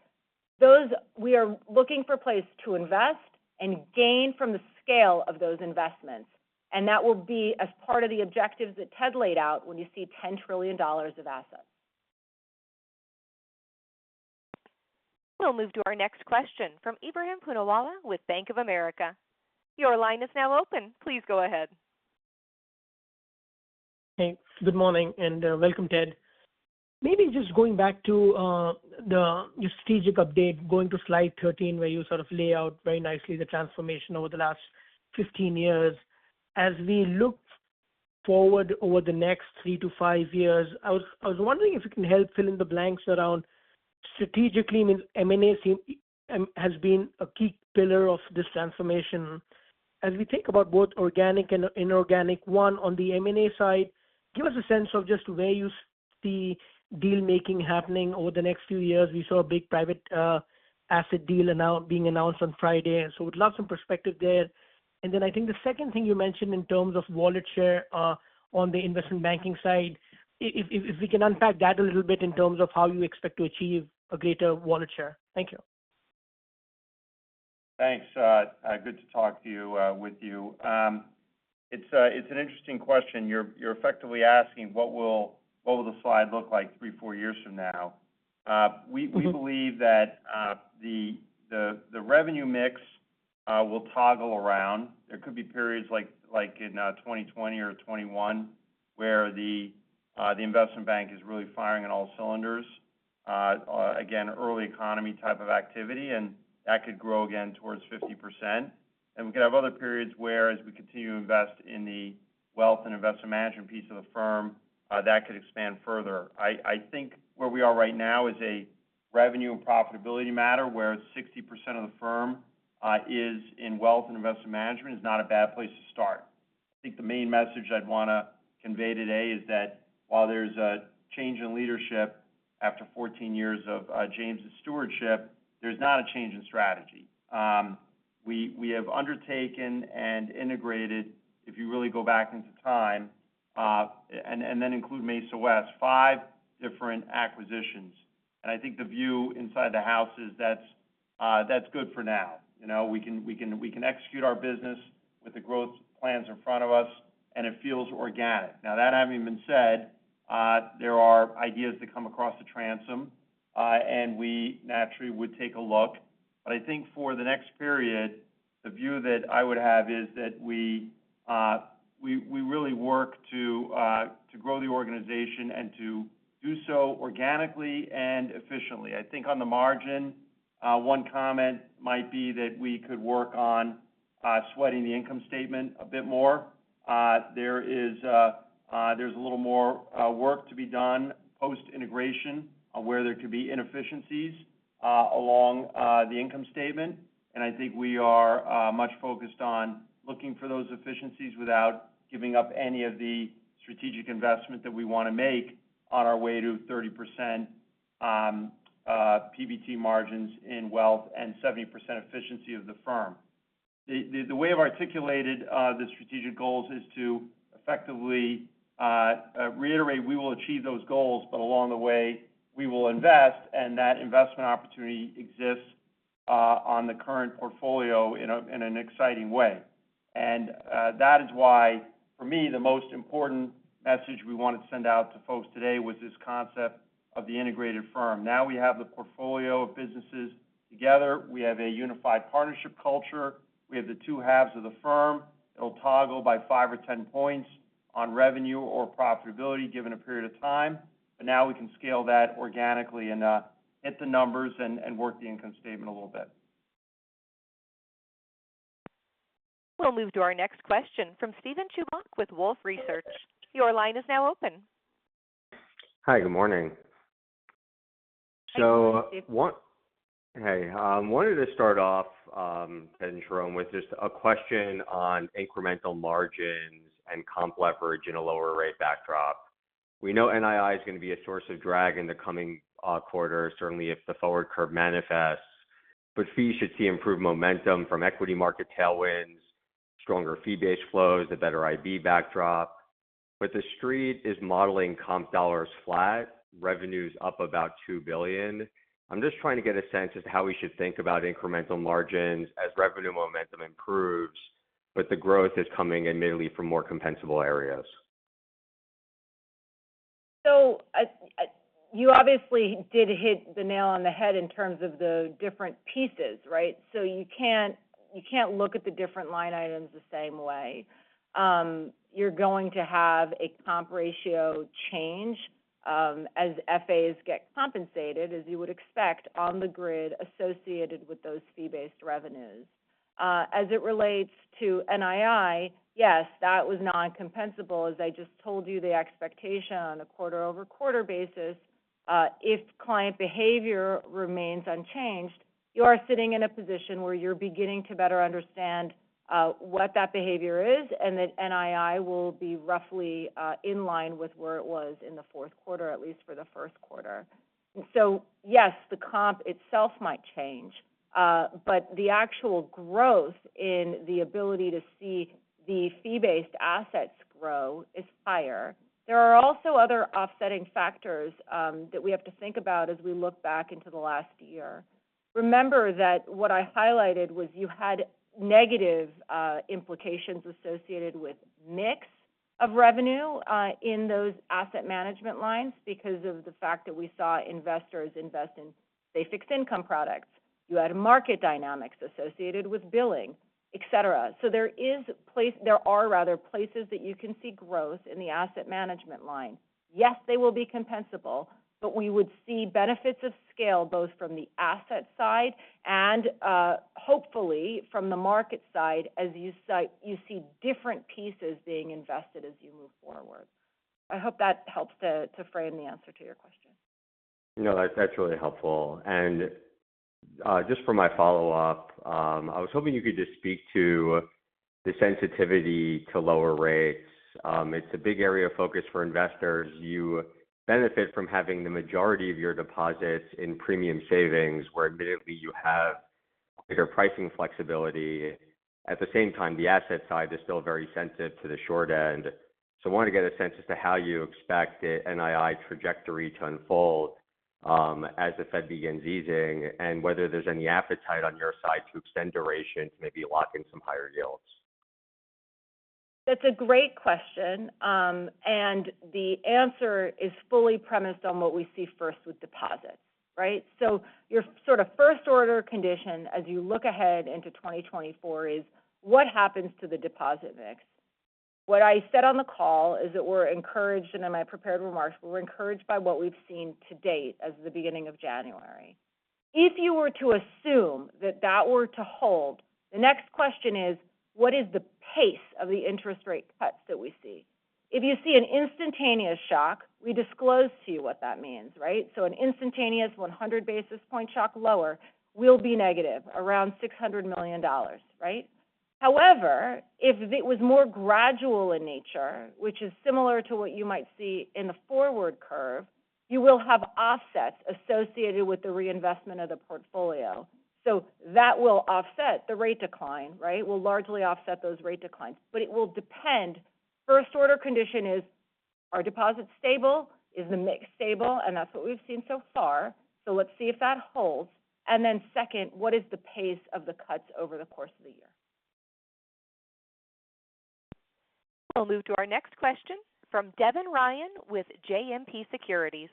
those... we are looking for places to invest and gain from the scale of those investments. And that will be as part of the objectives that Ted laid out when you see $10 trillion of assets. We'll move to our next question from Ebrahim Poonawala with Bank of America. Your line is now open. Please go ahead. Thanks. Good morning, and welcome, Ted. Maybe just going back to the strategic update, going to slide 13, where you sort of lay out very nicely the transformation over the last 15 years. As we look forward over the next 3-5 years, I was wondering if you can help fill in the blanks around strategically, I mean, M&A has been a key pillar of this transformation. As we think about both organic and inorganic, one, on the M&A side, give us a sense of just where you see deal-making happening over the next few years. We saw a big private asset deal being announced on Friday, and so would love some perspective there. Then I think the second thing you mentioned in terms of wallet share on the investment banking side, if we can unpack that a little bit in terms of how you expect to achieve a greater wallet share. Thank you. Thanks, good to talk to you with you. It's an interesting question. You're effectively asking, what will the slide look like 3-4 years from now? We believe that the revenue mix will toggle around. There could be periods like in 2020 or 2021, where the investment bank is really firing on all cylinders. Again, early economy type of activity, and that could grow again towards 50%. And we could have other periods where, as we continue to invest in the wealth and investment management piece of the firm, that could expand further. I, I think where we are right now is a revenue and profitability matter, where 60% of the firm is in wealth and investment management is not a bad place to start. I think the main message I'd want to convey today is that while there's a change in leadership after 14 years of James's stewardship, there's not a change in strategy. We, we have undertaken and integrated, if you really go back into time-... and, and then include Mesa West, 5 different acquisitions. And I think the view inside the house is that's, that's good for now. You know, we can execute our business with the growth plans in front of us, and it feels organic. Now, that having been said, there are ideas that come across the transom, and we naturally would take a look. But I think for the next period, the view that I would have is that we really work to grow the organization and to do so organically and efficiently. I think on the margin, one comment might be that we could work on sweating the income statement a bit more. There is a little more work to be done post-integration on where there could be inefficiencies along the income statement. I think we are much focused on looking for those efficiencies without giving up any of the strategic investment that we wanna make on our way to 30% PBT margins in wealth and 70% efficiency of the firm. The way I've articulated the strategic goals is to effectively reiterate we will achieve those goals, but along the way, we will invest, and that investment opportunity exists on the current portfolio in an exciting way. And that is why, for me, the most important message we wanted to send out to folks today was this concept of the integrated firm. Now we have the portfolio of businesses together. We have a unified partnership culture. We have the two halves of the firm. It'll toggle by five or 10 points on revenue or profitability, given a period of time. But now we can scale that organically and hit the numbers and work the income statement a little bit. We'll move to our next question from Steven Chubak with Wolfe Research. Your line is now open. Hi, good morning. Hi, Steve. Hey, wanted to start off, and Sharon with just a question on incremental margins and comp leverage in a lower rate backdrop. We know NII is going to be a source of drag in the coming quarters, certainly if the forward curve manifests, but fees should see improved momentum from equity market tailwinds, stronger fee-based flows, a better IB backdrop. The Street is modeling comp dollars flat, revenues up about $2 billion. I'm just trying to get a sense of how we should think about incremental margins as revenue momentum improves, but the growth is coming admittedly from more compensable areas. So, you obviously did hit the nail on the head in terms of the different pieces, right? You can't, you can't look at the different line items the same way. You're going to have a comp ratio change, as FAs get compensated, as you would expect, on the grid associated with those fee-based revenues. As it relates to NII, yes, that was non-compensable. As I just told you, the expectation on a quarter-over-quarter basis, if client behavior remains unchanged, you are sitting in a position where you're beginning to better understand what that behavior is, and that NII will be roughly in line with where it was in the Q4, at least for the Q1. So yes, the comp itself might change, but the actual growth in the ability to see the fee-based assets grow is higher. There are also other offsetting factors, that we have to think about as we look back into the last year. Remember that what I highlighted was you had negative, implications associated with mix of revenue, in those asset management lines because of the fact that we saw investors invest in basic income products. You had market dynamics associated with billing, et cetera. So there are rather places that you can see growth in the asset management line. Yes, they will be compensable, but we would see benefits of scale, both from the asset side and, hopefully, from the market side, as you see different pieces being invested as you move forward. I hope that helps to frame the answer to your question. No, that's, that's really helpful. And, just for my follow-up, I was hoping you could just speak to the sensitivity to lower rates. It's a big area of focus for investors. You benefit from having the majority of your deposits in premium savings, where admittedly you have greater pricing flexibility. At the same time, the asset side is still very sensitive to the short end. So I want to get a sense as to how you expect the NII trajectory to unfold, as the Fed begins easing, and whether there's any appetite on your side to extend duration, to maybe lock in some higher yields. That's a great question. And the answer is fully premised on what we see first with deposits, right? So your sort of first-order condition as you look ahead into 2024 is, what happens to the deposit mix? What I said on the call is that we're encouraged, and in my prepared remarks, we're encouraged by what we've seen to date as the beginning of January. If you were to assume that that were to hold, the next question is: What is the pace of the interest rate cuts that we see? If you see an instantaneous shock, we disclose to you what that means, right? So an instantaneous 100 basis point shock lower will be negative, around $600 million, right? However, if it was more gradual in nature, which is similar to what you might see in the forward curve, you will have offsets associated with the reinvestment of the portfolio. So that will offset the rate decline, right? Will largely offset those rate declines. But it will depend. First order condition is, are deposits stable? Is the mix stable? And that's what we've seen so far. So let's see if that holds. And then second, what is the pace of the cuts over the course of the year? We'll move to our next question from Devin Ryan with JMP Securities.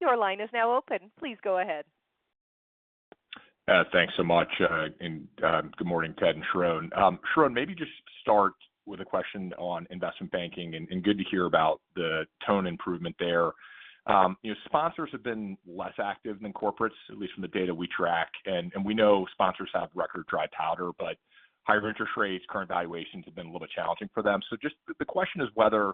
Your line is now open. Please go ahead. Thanks so much, and good morning, Ted and Sharon. Sharon, maybe just start with a question on investment banking, and good to hear about the tone improvement there. You know, sponsors have been less active than corporates, at least from the data we track, and we know sponsors have record dry powder, but higher interest rates, current valuations have been a little bit challenging for them. So just the question is whether,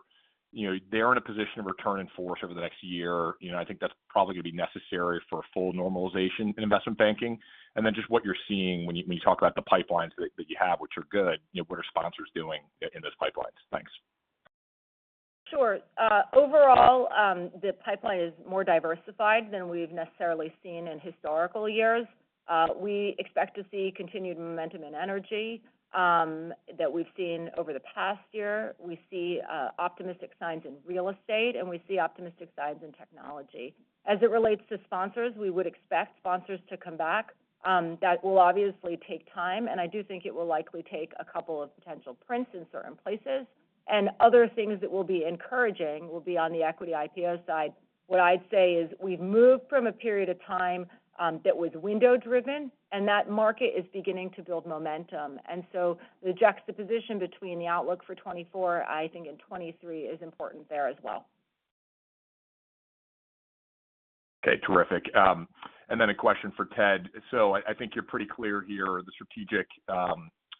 you know, they're in a position of return in force over the next year. You know, I think that's probably going to be necessary for a full normalization in investment banking. And then just what you're seeing when you talk about the pipelines that you have, which are good, you know, what are sponsors doing in those pipelines? Thanks. Sure. Overall, the pipeline is more diversified than we've necessarily seen in historical years. We expect to see continued momentum and energy that we've seen over the past year. We see optimistic signs in real estate, and we see optimistic signs in technology. As it relates to sponsors, we would expect sponsors to come back. That will obviously take time, and I do think it will likely take a couple of potential prints in certain places, and other things that will be encouraging will be on the equity IPO side. What I'd say is, we've moved from a period of time that was window-driven, and that market is beginning to build momentum. And so the juxtaposition between the outlook for 2024, I think, and 2023 is important there as well. Okay, terrific. And then a question for Ted. So I think you're pretty clear here, the strategic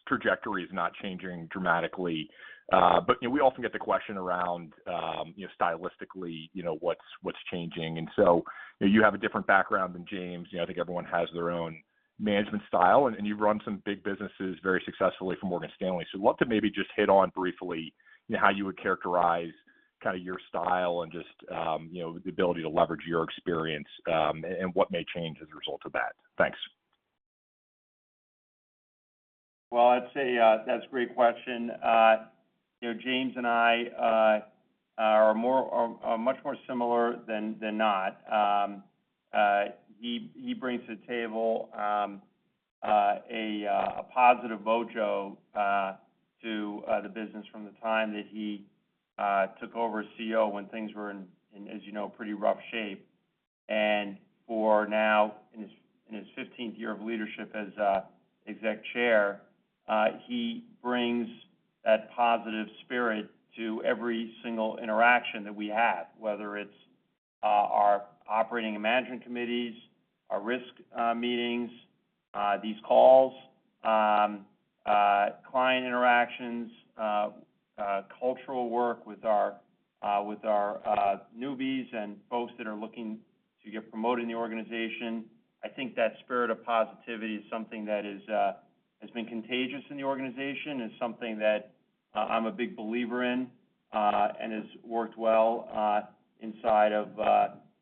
trajectory is not changing dramatically. But, you know, we also get the question around, you know, stylistically, you know, what's, what's changing. And so, you have a different background than James. You know, I think everyone has their own management style, and you've run some big businesses very successfully for Morgan Stanley. So I'd love to maybe just hit on briefly, you know, how you would characterize kind of your style and just, you know, the ability to leverage your experience, and what may change as a result of that. Thanks. Well, I'd say, that's a great question. You know, James and I are much more similar than not. He brings to the table a positive mojo to the business from the time that he took over as CEO when things were in, as you know, pretty rough shape. And for now, in his 15th year of leadership as Executive Chairman, he brings that positive spirit to every single interaction that we have, whether it's our operating and management committees, our risk meetings, these calls, client interactions, cultural work with our newbies and folks that are looking to get promoted in the organization. I think that spirit of positivity is something that is, has been contagious in the organization and something that, I'm a big believer in, and has worked well, inside of,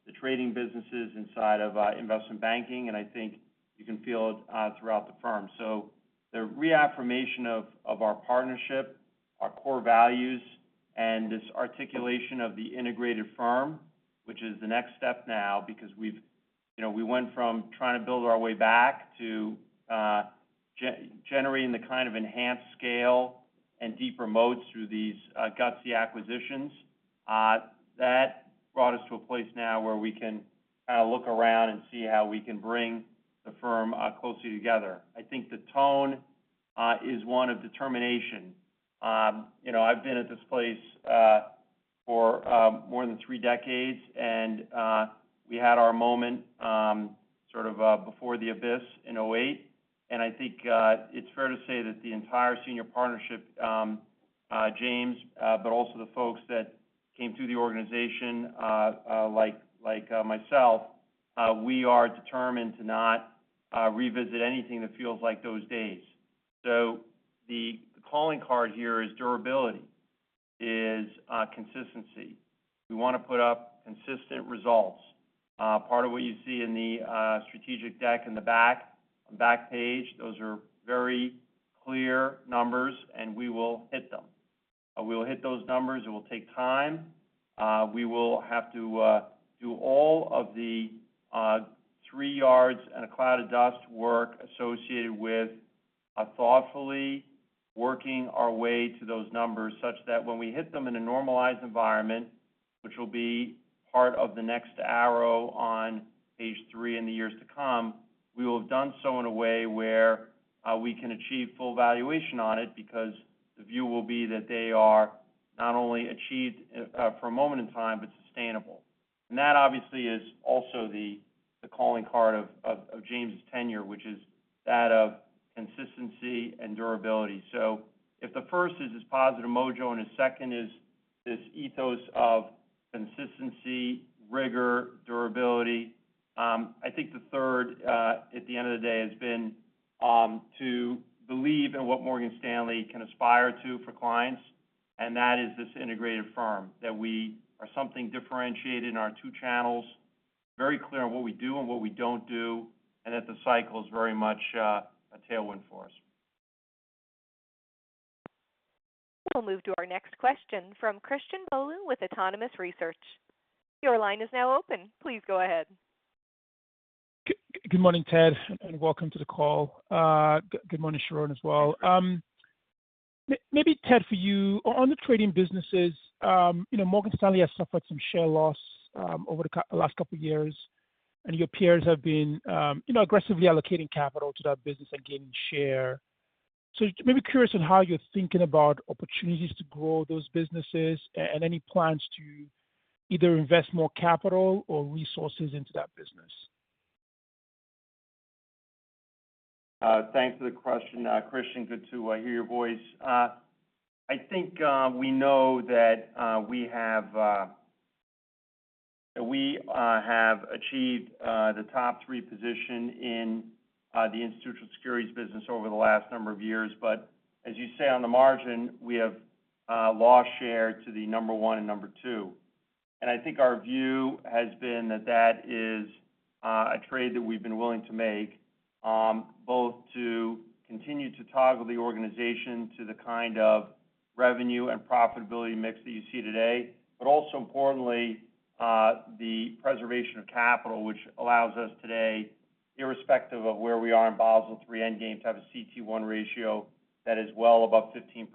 the trading businesses, inside of, investment banking, and I think you can feel it, throughout the firm. So the reaffirmation of, of our partnership, our core values, and this articulation of the integrated firm, which is the next step now, because we've... You know, we went from trying to build our way back to, generating the kind of enhanced scale and deeper modes through these, gutsy acquisitions. That brought us to a place now where we can kind of look around and see how we can bring the firm, closer together. I think the tone, is one of determination. You know, I've been at this place for more than three decades, and we had our moment, sort of, before the abyss in 2008. And I think it's fair to say that the entire senior partnership, James, but also the folks that came through the organization, like myself, we are determined to not revisit anything that feels like those days. So the calling card here is durability, is consistency. We want to put up consistent results. Part of what you see in the strategic deck in the back page, those are very clear numbers, and we will hit them. We will hit those numbers. It will take time. We will have to do all of the three yards and a cloud of dust work associated with thoughtfully working our way to those numbers, such that when we hit them in a normalized environment, which will be part of the next arrow on page three in the years to come, we will have done so in a way where we can achieve full valuation on it, because the view will be that they are not only achieved for a moment in time, but sustainable. And that, obviously, is also the calling card of James' tenure, which is that of consistency and durability. So if the first is his positive mojo, and his second is this ethos of consistency, rigor, durability, I think the third, at the end of the day, has been, to believe in what Morgan Stanley can aspire to for clients, and that is this integrated firm, that we are something differentiated in our two channels, very clear on what we do and what we don't do, and that the cycle is very much, a tailwind for us. We'll move to our next question from Christian Bolu with Autonomous Research. Your line is now open. Please go ahead. Good morning, Ted, and welcome to the call. Good morning, Sharon, as well. Maybe, Ted, for you, on the trading businesses, you know, Morgan Stanley has suffered some share loss over the last couple of years, and your peers have been, you know, aggressively allocating capital to that business and gaining share. So maybe curious on how you're thinking about opportunities to grow those businesses, and any plans to either invest more capital or resources into that business? Thanks for the question, Christian. Good to hear your voice. I think we know that we have achieved the top three position in the institutional securities business over the last number of years. But as you say, on the margin, we have lost share to the number one and number two. And I think our view has been that that is a trade that we've been willing to make, both to continue to toggle the organization to the kind of revenue and profitability mix that you see today, but also importantly, the preservation of capital, which allows us today, irrespective of where we are in Basel III Endgame, to have a CET1 ratio that is well above 15%.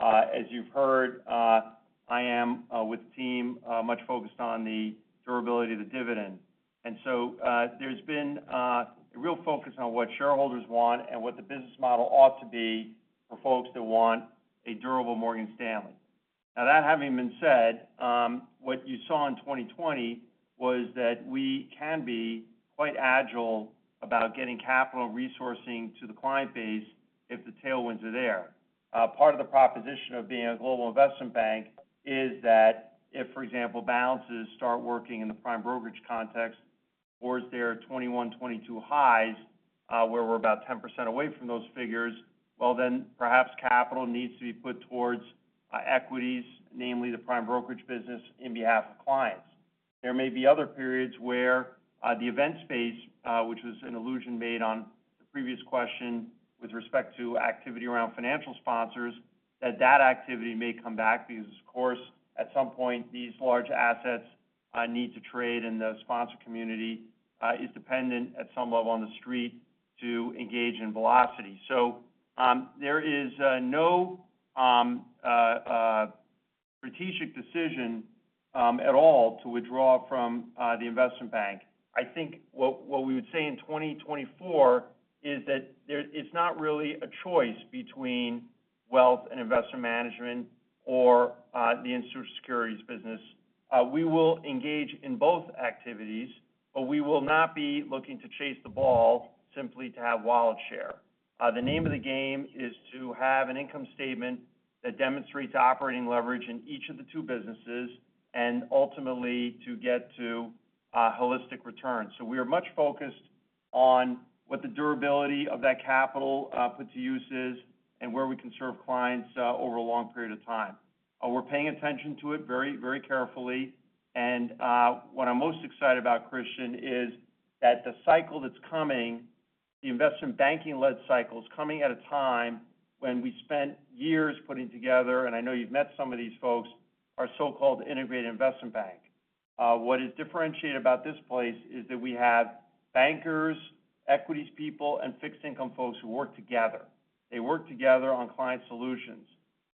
As you've heard, I am with the team much focused on the durability of the dividend. So, there's been a real focus on what shareholders want and what the business model ought to be for folks that want a durable Morgan Stanley. Now, that having been said, what you saw in 2020 was that we can be quite agile about getting capital resourcing to the client base if the tailwinds are there. Part of the proposition of being a global investment bank is that if, for example, balances start working in the prime brokerage context, or is there 2021, 2022 highs, where we're about 10% away from those figures, well, then perhaps capital needs to be put towards equities, namely the prime brokerage business, in behalf of clients. There may be other periods where the event space, which was an allusion made on the previous question with respect to activity around financial sponsors, that that activity may come back, because of course, at some point, these large assets need to trade, and the sponsor community is dependent at some level on the street to engage in velocity. So, there is no strategic decision at all to withdraw from the investment bank. I think what we would say in 2024 is that there, it's not really a choice between wealth and investment management or the institutional securities business. We will engage in both activities, but we will not be looking to chase the ball simply to have wallet share. The name of the game is to have an income statement that demonstrates operating leverage in each of the two businesses and ultimately to get to a holistic return. So we are much focused on what the durability of that capital put to use is and where we can serve clients over a long period of time. We're paying attention to it very, very carefully. And, what I'm most excited about, Christian, is that the cycle that's coming, the investment banking-led cycle, is coming at a time when we spent years putting together, and I know you've met some of these folks, our so-called integrated investment bank. What is differentiated about this place is that we have bankers, equities people, and fixed income folks who work together. They work together on client solutions.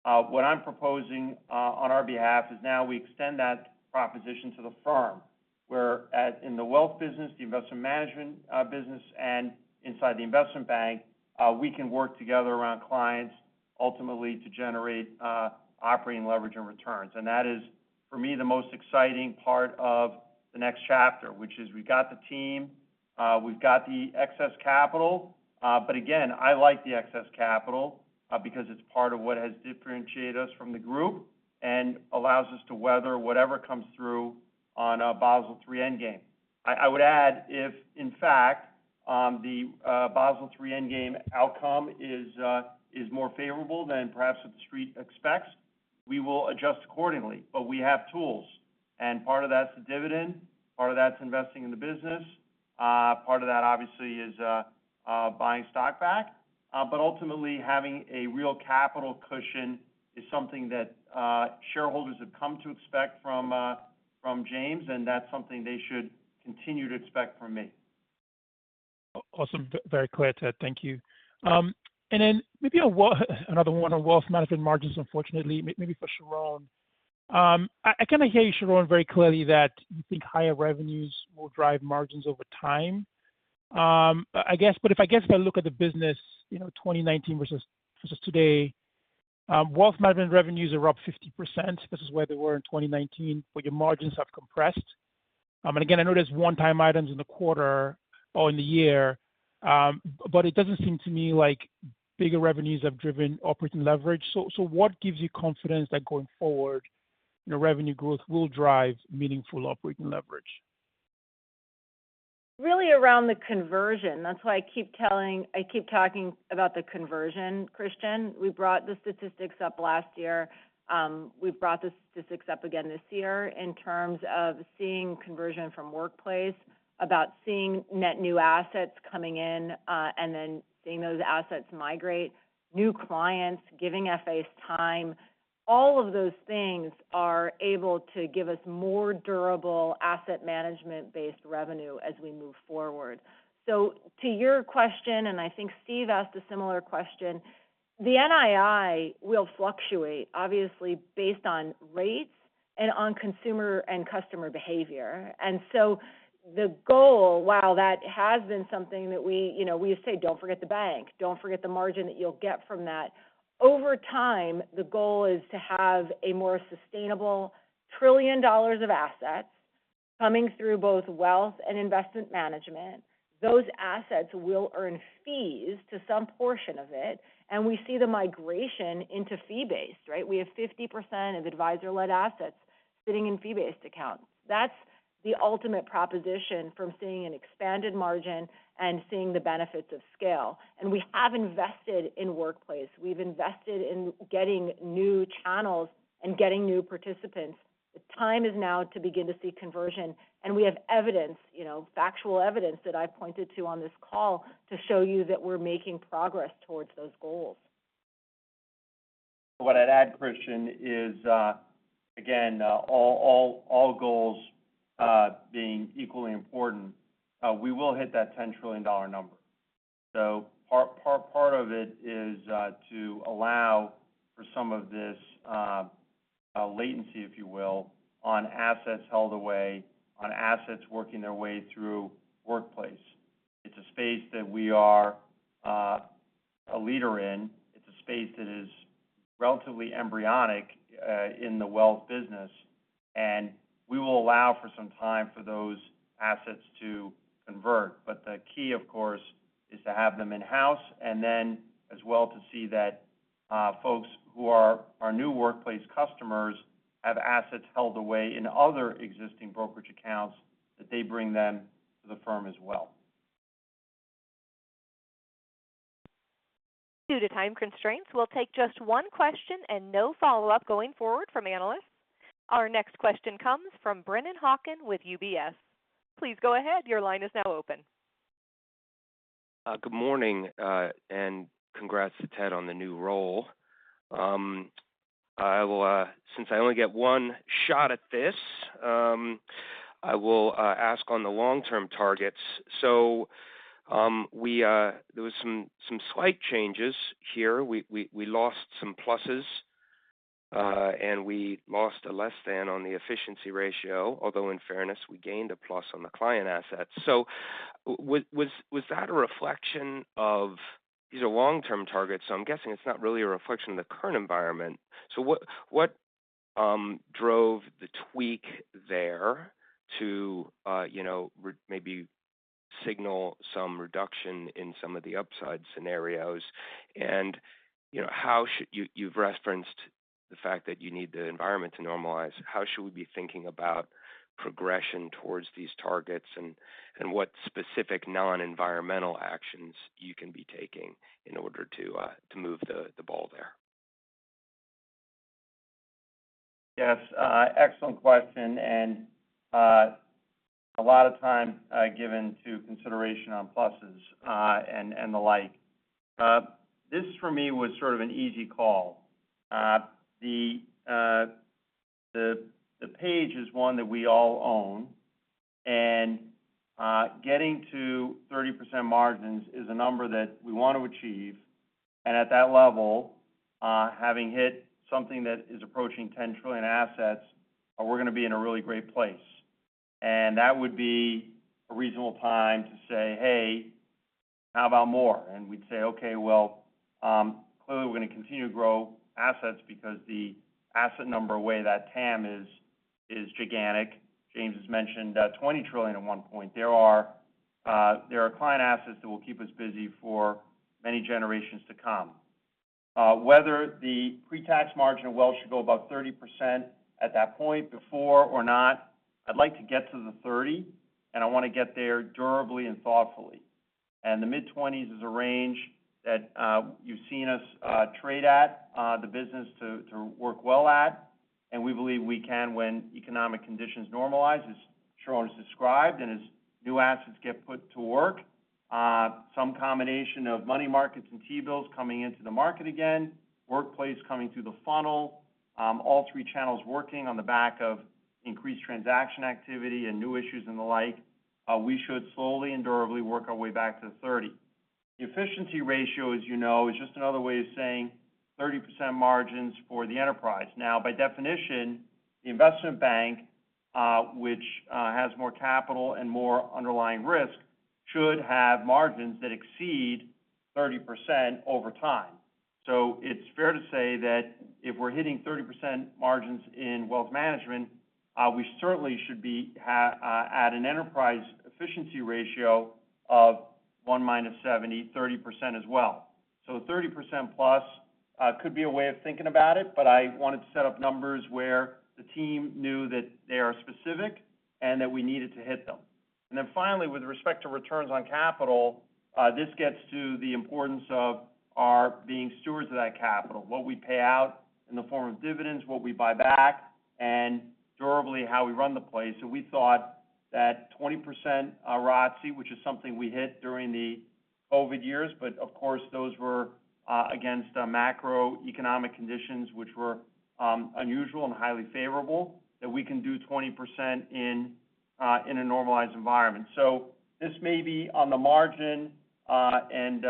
What I'm proposing, on our behalf, is now we extend that proposition to the firm, where at, in the wealth business, the investment management business, and inside the investment bank, we can work together around clients ultimately to generate operating leverage and returns. And that is, for me, the most exciting part of the next chapter, which is we've got the team, we've got the excess capital. But again, I like the excess capital because it's part of what has differentiated us from the group and allows us to weather whatever comes through on a Basel III Endgame. I would add, if, in fact, the Basel III Endgame outcome is more favorable than perhaps what the street expects, we will adjust accordingly. We have tools, and part of that's the dividend, part of that's investing in the business, part of that, obviously, is buying stock back. But ultimately, having a real capital cushion is something that shareholders have come to expect from James, and that's something they should continue to expect from me. Awesome. Very clear, Ted. Thank you. And then maybe another one on wealth management margins, unfortunately, maybe for Sharon. I kind of hear you, Sharon, very clearly, that you think higher revenues will drive margins over time. I guess, but if I look at the business, you know, 2019 versus today, wealth management revenues are up 50%. This is where they were in 2019, but your margins have compressed. And again, I know there's one-time items in the quarter or in the year, but it doesn't seem to me like bigger revenues have driven operating leverage. So what gives you confidence that going forward, your revenue growth will drive meaningful operating leverage? Really around the conversion. That's why I keep telling-- I keep talking about the conversion, Christian. We brought the statistics up last year. We've brought the statistics up again this year in terms of seeing conversion from workplace, about seeing net new assets coming in, and then seeing those assets migrate, new clients, giving FAs time.... All of those things are able to give us more durable asset management-based revenue as we move forward. So to your question, and I think Steve asked a similar question, the NII will fluctuate, obviously, based on rates and on consumer and customer behavior. And so the goal, while that has been something that we, you know, we say, "Don't forget the bank. Don't forget the margin that you'll get from that." Over time, the goal is to have a more sustainable $1 trillion of assets coming through both wealth and investment management. Those assets will earn fees to some portion of it, and we see the migration into fee-based, right? We have 50% of advisor-led assets sitting in fee-based accounts. That's the ultimate proposition from seeing an expanded margin and seeing the benefits of scale. And we have invested in Workplace. We've invested in getting new channels and getting new participants. The time is now to begin to see conversion, and we have evidence, you know, factual evidence that I've pointed to on this call to show you that we're making progress towards those goals. What I'd add, Christian, is, again, all goals being equally important, we will hit that $10 trillion number. So part of it is to allow for some of this latency, if you will, on assets held away, on assets working their way through Workplace. It's a space that we are a leader in. It's a space that is relatively embryonic in the wealth business, and we will allow for some time for those assets to convert. But the key, of course, is to have them in-house, and then as well to see that folks who are our new Workplace customers have assets held away in other existing brokerage accounts, that they bring them to the firm as well. Due to time constraints, we'll take just one question and no follow-up going forward from analysts. Our next question comes from Brennan Hawken with UBS. Please go ahead. Your line is now open. Good morning, and congrats to Ted on the new role. I will, since I only get one shot at this, I will ask on the long-term targets. So, there was some slight changes here. We lost some pluses, and we lost a less than on the efficiency ratio, although in fairness, we gained a plus on the client assets. So was that a reflection of... These are long-term targets, so I'm guessing it's not really a reflection of the current environment. So what drove the tweak there to, you know, maybe signal some reduction in some of the upside scenarios? And, you know, how should you've referenced the fact that you need the environment to normalize. How should we be thinking about progression towards these targets, and what specific non-environmental actions you can be taking in order to move the ball there? Yes, excellent question, and a lot of time given to consideration on pluses, and the like. This, for me, was sort of an easy call. The page is one that we all own, and getting to 30% margins is a number that we want to achieve. And at that level, having hit something that is approaching $10 trillion assets, we're going to be in a really great place. And that would be a reasonable time to say, "Hey, how about more?" And we'd say, "Okay, well, clearly, we're going to continue to grow assets because the asset number way that TAM is, is gigantic." James has mentioned $20 trillion at one point. There are client assets that will keep us busy for many generations to come. Whether the pre-tax margin of wealth should go above 30% at that point, before or not, I'd like to get to the 30, and I want to get there durably and thoughtfully. And the mid-20s is a range that, you've seen us, trade at, the business to, to work well at, and we believe we can when economic conditions normalize, as Sharon has described, and as new assets get put to work. Some combination of money markets and T-bills coming into the market again, Workplace coming through the funnel, all three channels working on the back of increased transaction activity and new issues and the like, we should slowly and durably work our way back to the 30. The efficiency ratio, as you know, is just another way of saying 30% margins for the enterprise. Now, by definition, the investment bank, which has more capital and more underlying risk, should have margins that exceed 30% over time. So it's fair to say that if we're hitting 30% margins in wealth management, we certainly should be at an enterprise efficiency ratio of 1 minus 70, 30% as well. So 30% plus could be a way of thinking about it, but I wanted to set up numbers where the team knew that they are specific and that we needed to hit them. And then finally, with respect to returns on capital, this gets to the importance of our being stewards of that capital, what we pay out in the form of dividends, what we buy back, and durably, how we run the place. So we thought-... that 20%, ROTCE, which is something we hit during the COVID years, but of course, those were, against the macroeconomic conditions, which were, unusual and highly favorable, that we can do 20% in, in a normalized environment. So this may be on the margin, and,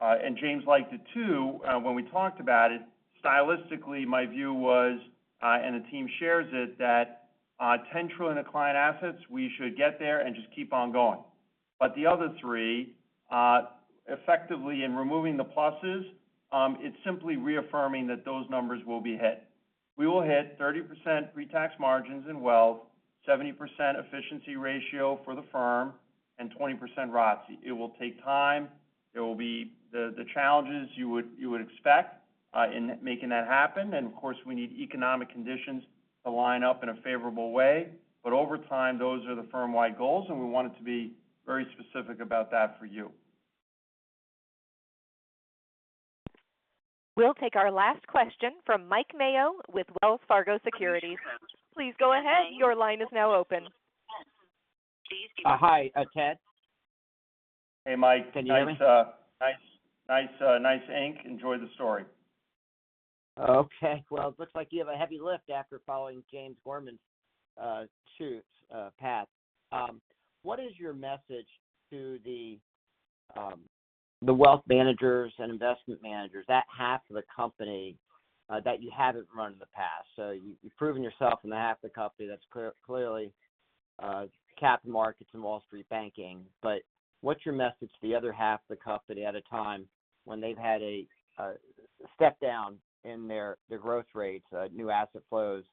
and James liked it, too, when we talked about it. Stylistically, my view was, and the team shares it, that, $10 trillion in client assets, we should get there and just keep on going. But the other three, effectively, in removing the pluses, it's simply reaffirming that those numbers will be hit. We will hit 30% pre-tax margins in wealth, 70% efficiency ratio for the firm, and 20% ROTCE. It will take time. There will be the challenges you would expect in making that happen, and of course, we need economic conditions to line up in a favorable way. But over time, those are the firm-wide goals, and we want it to be very specific about that for you. We'll take our last question from Mike Mayo with Wells Fargo Securities. Please go ahead. Your line is now open. Hi, Ted. Hey, Mike. Can you hear me? Nice, nice, nice ink. Enjoy the story. Okay, well, it looks like you have a heavy lift after following James Gorman's shoes path. What is your message to the wealth managers and investment managers, that half of the company that you haven't run in the past? So you've proven yourself in the half the company that's clearly capital markets and Wall Street banking. But what's your message to the other half of the company at a time when they've had a step down in their growth rates, new asset flows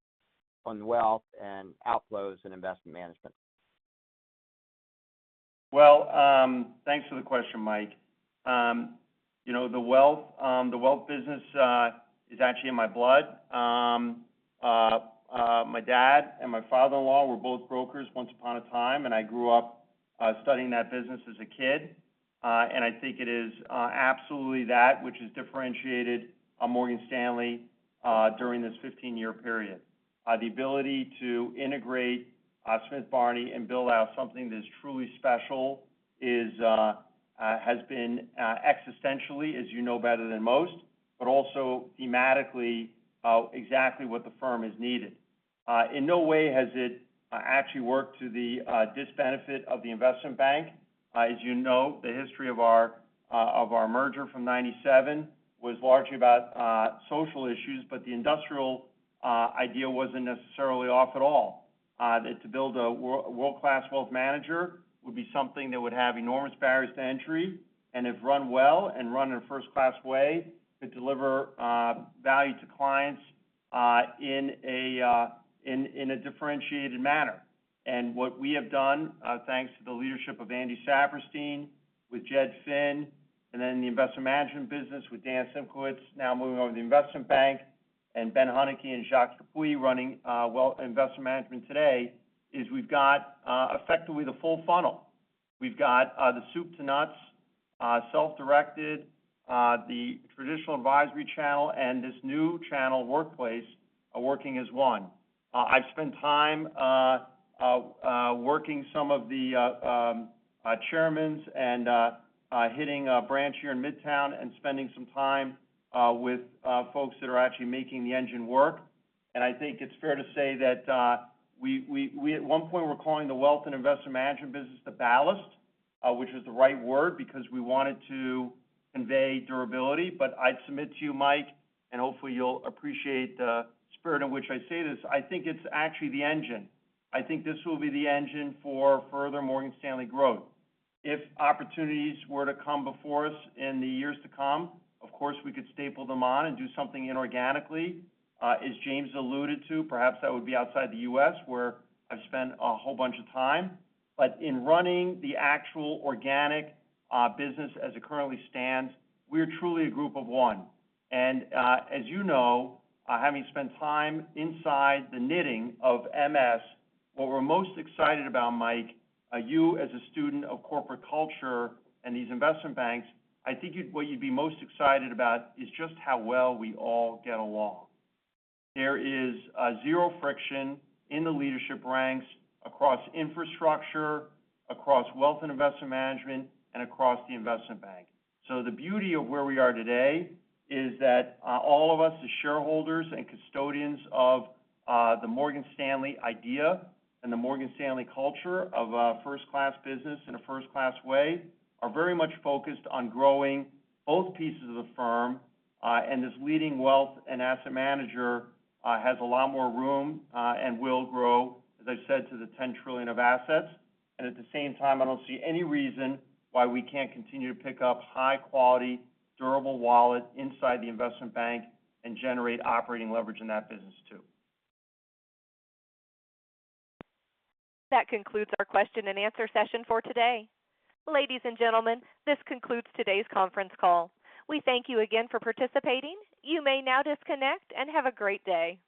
on wealth and outflows in investment management? Well, thanks for the question, Mike. You know, the wealth, the wealth business, is actually in my blood. My dad and my father-in-law were both brokers once upon a time, and I grew up, studying that business as a kid. I think it is absolutely that which has differentiated Morgan Stanley during this 15-year period. The ability to integrate Smith Barney and build out something that is truly special is, has been, existentially, as you know better than most, but also thematically, exactly what the firm has needed. In no way has it actually worked to the disbenefit of the investment bank. As you know, the history of our merger from 1997 was largely about social issues, but the industrial idea wasn't necessarily off at all. To build a world-class wealth manager would be something that would have enormous barriers to entry and if run well and run in a first-class way, to deliver value to clients in a differentiated manner. And what we have done, thanks to the leadership of Andy Saperstein, with Jed Finn, and then the investor management business with Dan Simkowitz, now moving over to the investment bank, and Ben Huneke and Jacques Chappuis running, well, investor management today, is we've got effectively the full funnel. We've got the soup to nuts, self-directed, the traditional advisory channel, and this new channel, workplace, are working as one. I've spent time working some of the chairmen and hitting a branch here in Midtown and spending some time with folks that are actually making the engine work. I think it's fair to say that we at one point were calling the wealth and investment management business the ballast, which was the right word because we wanted to convey durability. But I'd submit to you, Mike, and hopefully, you'll appreciate the spirit in which I say this, I think it's actually the engine. I think this will be the engine for further Morgan Stanley growth. If opportunities were to come before us in the years to come, of course, we could staple them on and do something inorganically. As James alluded to, perhaps that would be outside the U.S., where I've spent a whole bunch of time. But in running the actual organic business as it currently stands, we are truly a group of one. And, as you know, having spent time inside the knitting of MS, what we're most excited about, Mike, you as a student of corporate culture and these investment banks, I think what you'd be most excited about is just how well we all get along. There is zero friction in the leadership ranks, across infrastructure, across wealth and investment management, and across the investment bank. So the beauty of where we are today is that, all of us, as shareholders and custodians of, the Morgan Stanley idea and the Morgan Stanley culture of a first-class business in a first-class way, are very much focused on growing both pieces of the firm. And this leading wealth and asset manager, has a lot more room, and will grow, as I said, to the $10 trillion of assets. And at the same time, I don't see any reason why we can't continue to pick up high-quality, durable wallet inside the investment bank and generate operating leverage in that business, too. That concludes our question and answer session for today. Ladies and gentlemen, this concludes today's conference call. We thank you again for participating. You may now disconnect and have a great day.